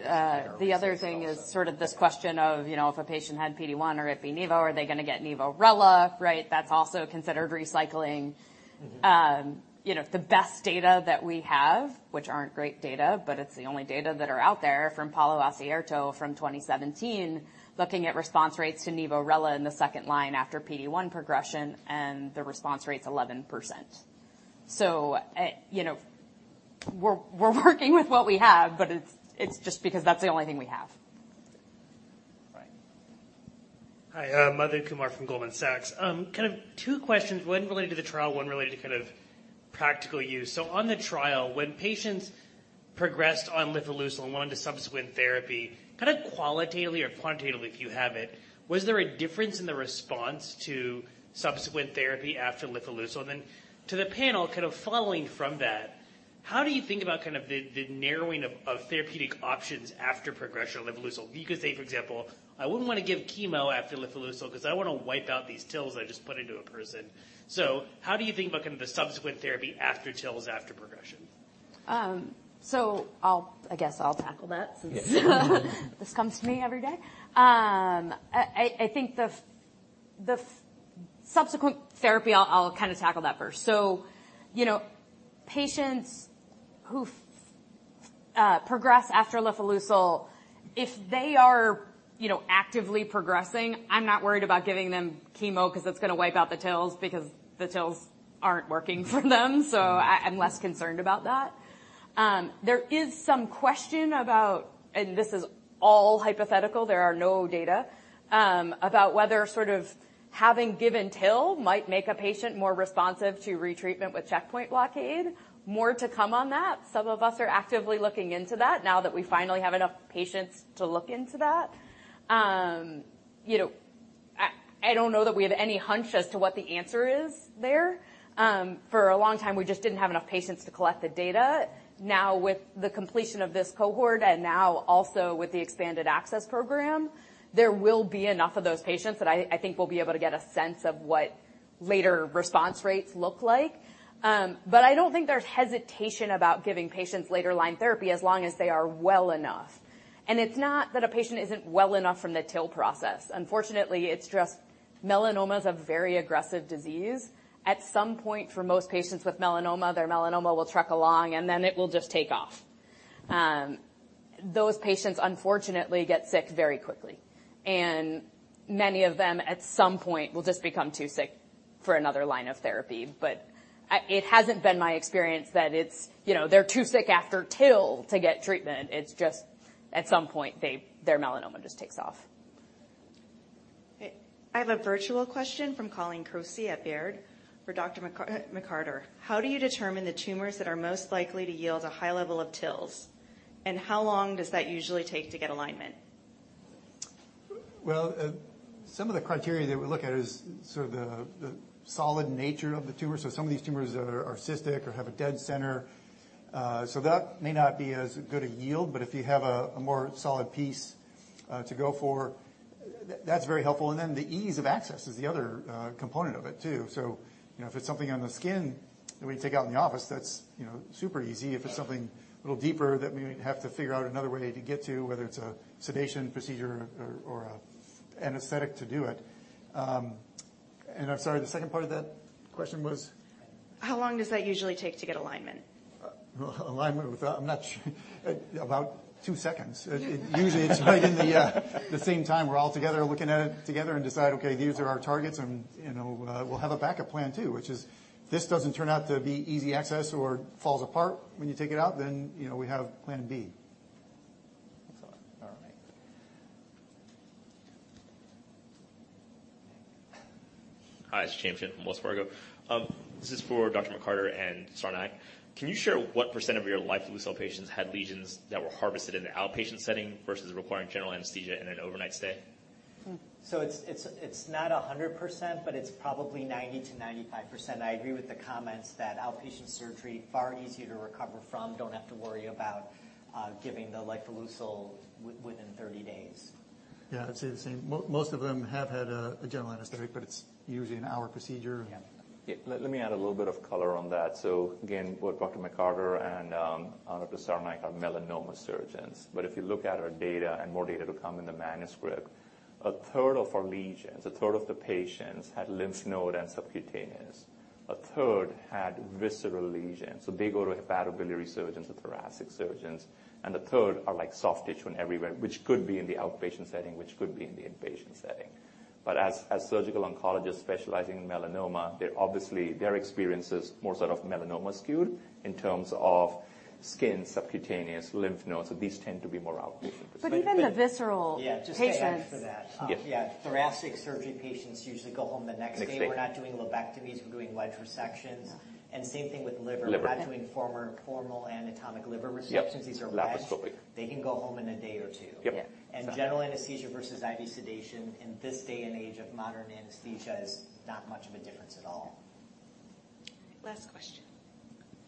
the other thing is sort of this question of, you know, if a patient had PD-1 or ipi/Nivolumab, are they gonna get Nivolumab/relatlimab, right? That's also considered recycling. Mm-hmm. You know, the best data that we have, which aren't great data, but it's the only data that are out there from Paolo Ascierto from 2017, looking at response rates to Nivolumab/relatlimab in the second line after PD-1 progression, and the response rate's 11%. You know, we're working with what we have, but it's just because that's the only thing we have. Right. Hi, I'm Adit Kumar from Goldman Sachs. Kind of two questions, one related to the trial, one related to kind of practical use. On the trial, when patients progressed on lifileucel and went on to subsequent therapy, kind of qualitatively or quantitatively, if you have it, was there a difference in the response to subsequent therapy after lifileucel? To the panel, kind of following from that, how do you think about kind of the narrowing of therapeutic options after progression of lifileucel? You could say, for example, I wouldn't wanna give chemo after lifileucel 'cause I don't wanna wipe out these TILs I just put into a person. How do you think about kind of the subsequent therapy after TILs after lifileucel? I guess I'll tackle that since this comes to me every day. I think the subsequent therapy, I'll kinda tackle that first. You know, patients who progress after lifileucel, if they are, you know, actively progressing, I'm not worried about giving them chemo 'cause it's gonna wipe out the TILs because the TILs aren't working for them. I'm less concerned about that. There is some question about, and this is all hypothetical, there are no data, about whether sort of having given TIL might make a patient more responsive to retreatment with checkpoint blockade. More to come on that. Some of us are actively looking into that now that we finally have enough patients to look into that. You know, I don't know that we have any hunch as to what the answer is there. For a long time, we just didn't have enough patients to collect the data. Now, with the completion of this cohort and now also with the expanded access program, there will be enough of those patients that I think we'll be able to get a sense of what later response rates look like. I don't think there's hesitation about giving patients later line therapy as long as they are well enough. It's not that a patient isn't well enough from the TIL process. Unfortunately, it's just melanoma is a very aggressive disease. At some point, for most patients with melanoma, their melanoma will tick along, and then it will just take off. Those patients, unfortunately, get sick very quickly, and many of them, at some point, will just become too sick for another line of therapy. It hasn't been my experience that it's, you know, they're too sick after TIL to get treatment. It's just at some point, their melanoma just takes off. Okay. I have a virtual question from Corleen Roche at Baird for Dr. McCarter. How do you determine the tumors that are most likely to yield a high level of TILs, and how long does that usually take to get expansion? Some of the criteria that we look at is sort of the solid nature of the tumor. Some of these tumors are cystic or have a dead center, so that may not be as good a yield. If you have a more solid piece to go for, that's very helpful. The ease of access is the other component of it too. You know, if it's something on the skin that we take out in the office, that's, you know, super easy. If it's something a little deeper that we would have to figure out another way to get to, whether it's a sedation procedure or an anesthetic to do it. I'm sorry, the second part of that question was? How long does that usually take to get alignment? Alignment? I'm not sure. About two seconds. Usually it's right in the same time we're all together, looking at it together and decide, "Okay, these are our targets," and, you know, we'll have a backup plan too, which is this doesn't turn out to be easy access or falls apart when you take it out, then, you know, we have plan B. Excellent. All right. Hi, it's James Chen from Wells Fargo. This is for Dr. McCarter and Sarnaik. Can you share what percent of your lifileucel patients had lesions that were harvested in the outpatient setting versus requiring general anesthesia and an overnight stay? It's not 100%, but it's probably 90%-95%. I agree with the comments that outpatient surgery far easier to recover from, don't have to worry about giving the lifileucel within 30 days. Yeah. I'd say the same. Most of them have had a general anesthetic, but it's usually an hour procedure. Yeah. Yeah. Let me add a little bit of color on that. Again, both Dr. McCarter and Dr. Sarnaik are melanoma surgeons. If you look at our data, and more data to come in the manuscript, a third of our lesions, a third of the patients had lymph node and subcutaneous. A third had visceral lesions, so they go to hepatobiliary surgeons or thoracic surgeons. A third are like soft tissue and everywhere, which could be in the outpatient setting, which could be in the inpatient setting. As surgical oncologists specializing in melanoma, they're obviously their experience is more sort of melanoma skewed in terms of skin, subcutaneous, lymph nodes. These tend to be more outpatient. Even the visceral. Yeah. -patients- Just to add to that. Yeah. Yeah. Thoracic surgery patients usually go home the next day. Next day. We're not doing lobectomies. We're doing wedge resections. Yeah. Same thing with liver. Liver. We're not doing formal anatomic liver resections. Yep. Laparoscopic. These are wedge. They can go home in a day or two. Yep. Yeah. General anesthesia versus IV sedation in this day and age of modern anesthesia is not much of a difference at all. Last question.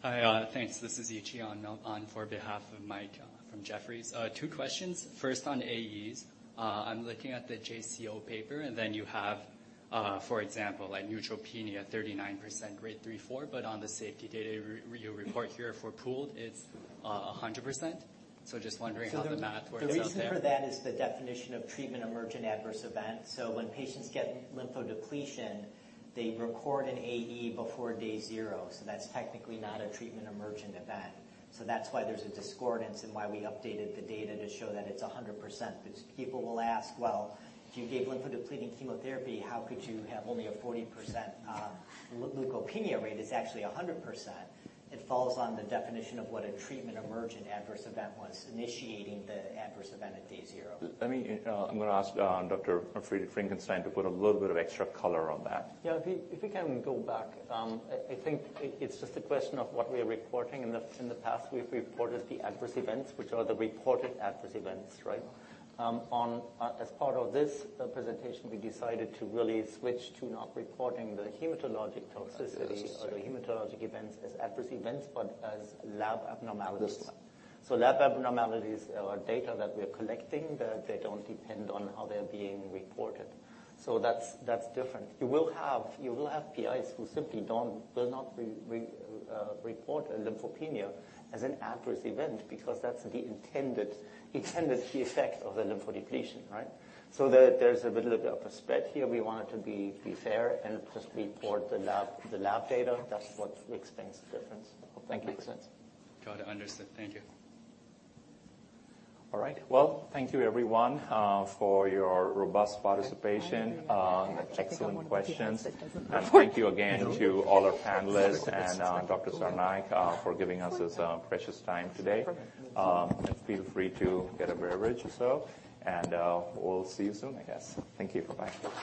Hi. Thanks. This is Yichun Qian on for behalf of Mike from Jefferies. Two questions. First on AEs, I'm looking at the JCO paper, and then you have, for example, like, neutropenia, 39% grade 3-4, but on the safety data report here for pooled, it's a 100%. Just wondering how the math works out there. The reason for that is the definition of treatment emergent adverse event. When patients get lymphodepletion, they record an AE before day zero, so that's technically not a treatment emergent event. That's why there's a discordance in why we updated the data to show that it's 100%. But people will ask, "Well, if you gave lymphodepleting chemotherapy, how could you have only a 40% leukopenia rate? It's actually 100%." It falls on the definition of what a treatment emergent adverse event was, initiating the adverse event at day zero. I'm gonna ask Dr. Friedrich Graf Finckenstein to put a little bit of extra color on that. If we can go back, I think it's just a question of what we are reporting. In the past, we've reported the adverse events, which are the reported adverse events, right? As part of this presentation, we decided to really switch to not reporting the hematologic toxicity. Yes. The hematologic events as adverse events, but as lab abnormalities. This one. Lab abnormalities are data that we're collecting that they don't depend on how they're being reported. That's different. You will have PIs who simply will not report a lymphopenia as an adverse event because that's the intended key effect of the lymphodepletion, right? There's a little bit of a spread here. We wanted to be fair and just report the lab data. That's what explains the difference. Thank you. Hope that makes sense. Got it. Understood. Thank you. All right. Well, thank you everyone for your robust participation, excellent questions. Thank you again to all our panelists and Dr. Sarnaik for giving us this precious time today. Feel free to get a beverage or so, and we'll see you soon, I guess. Thank you. Bye-bye.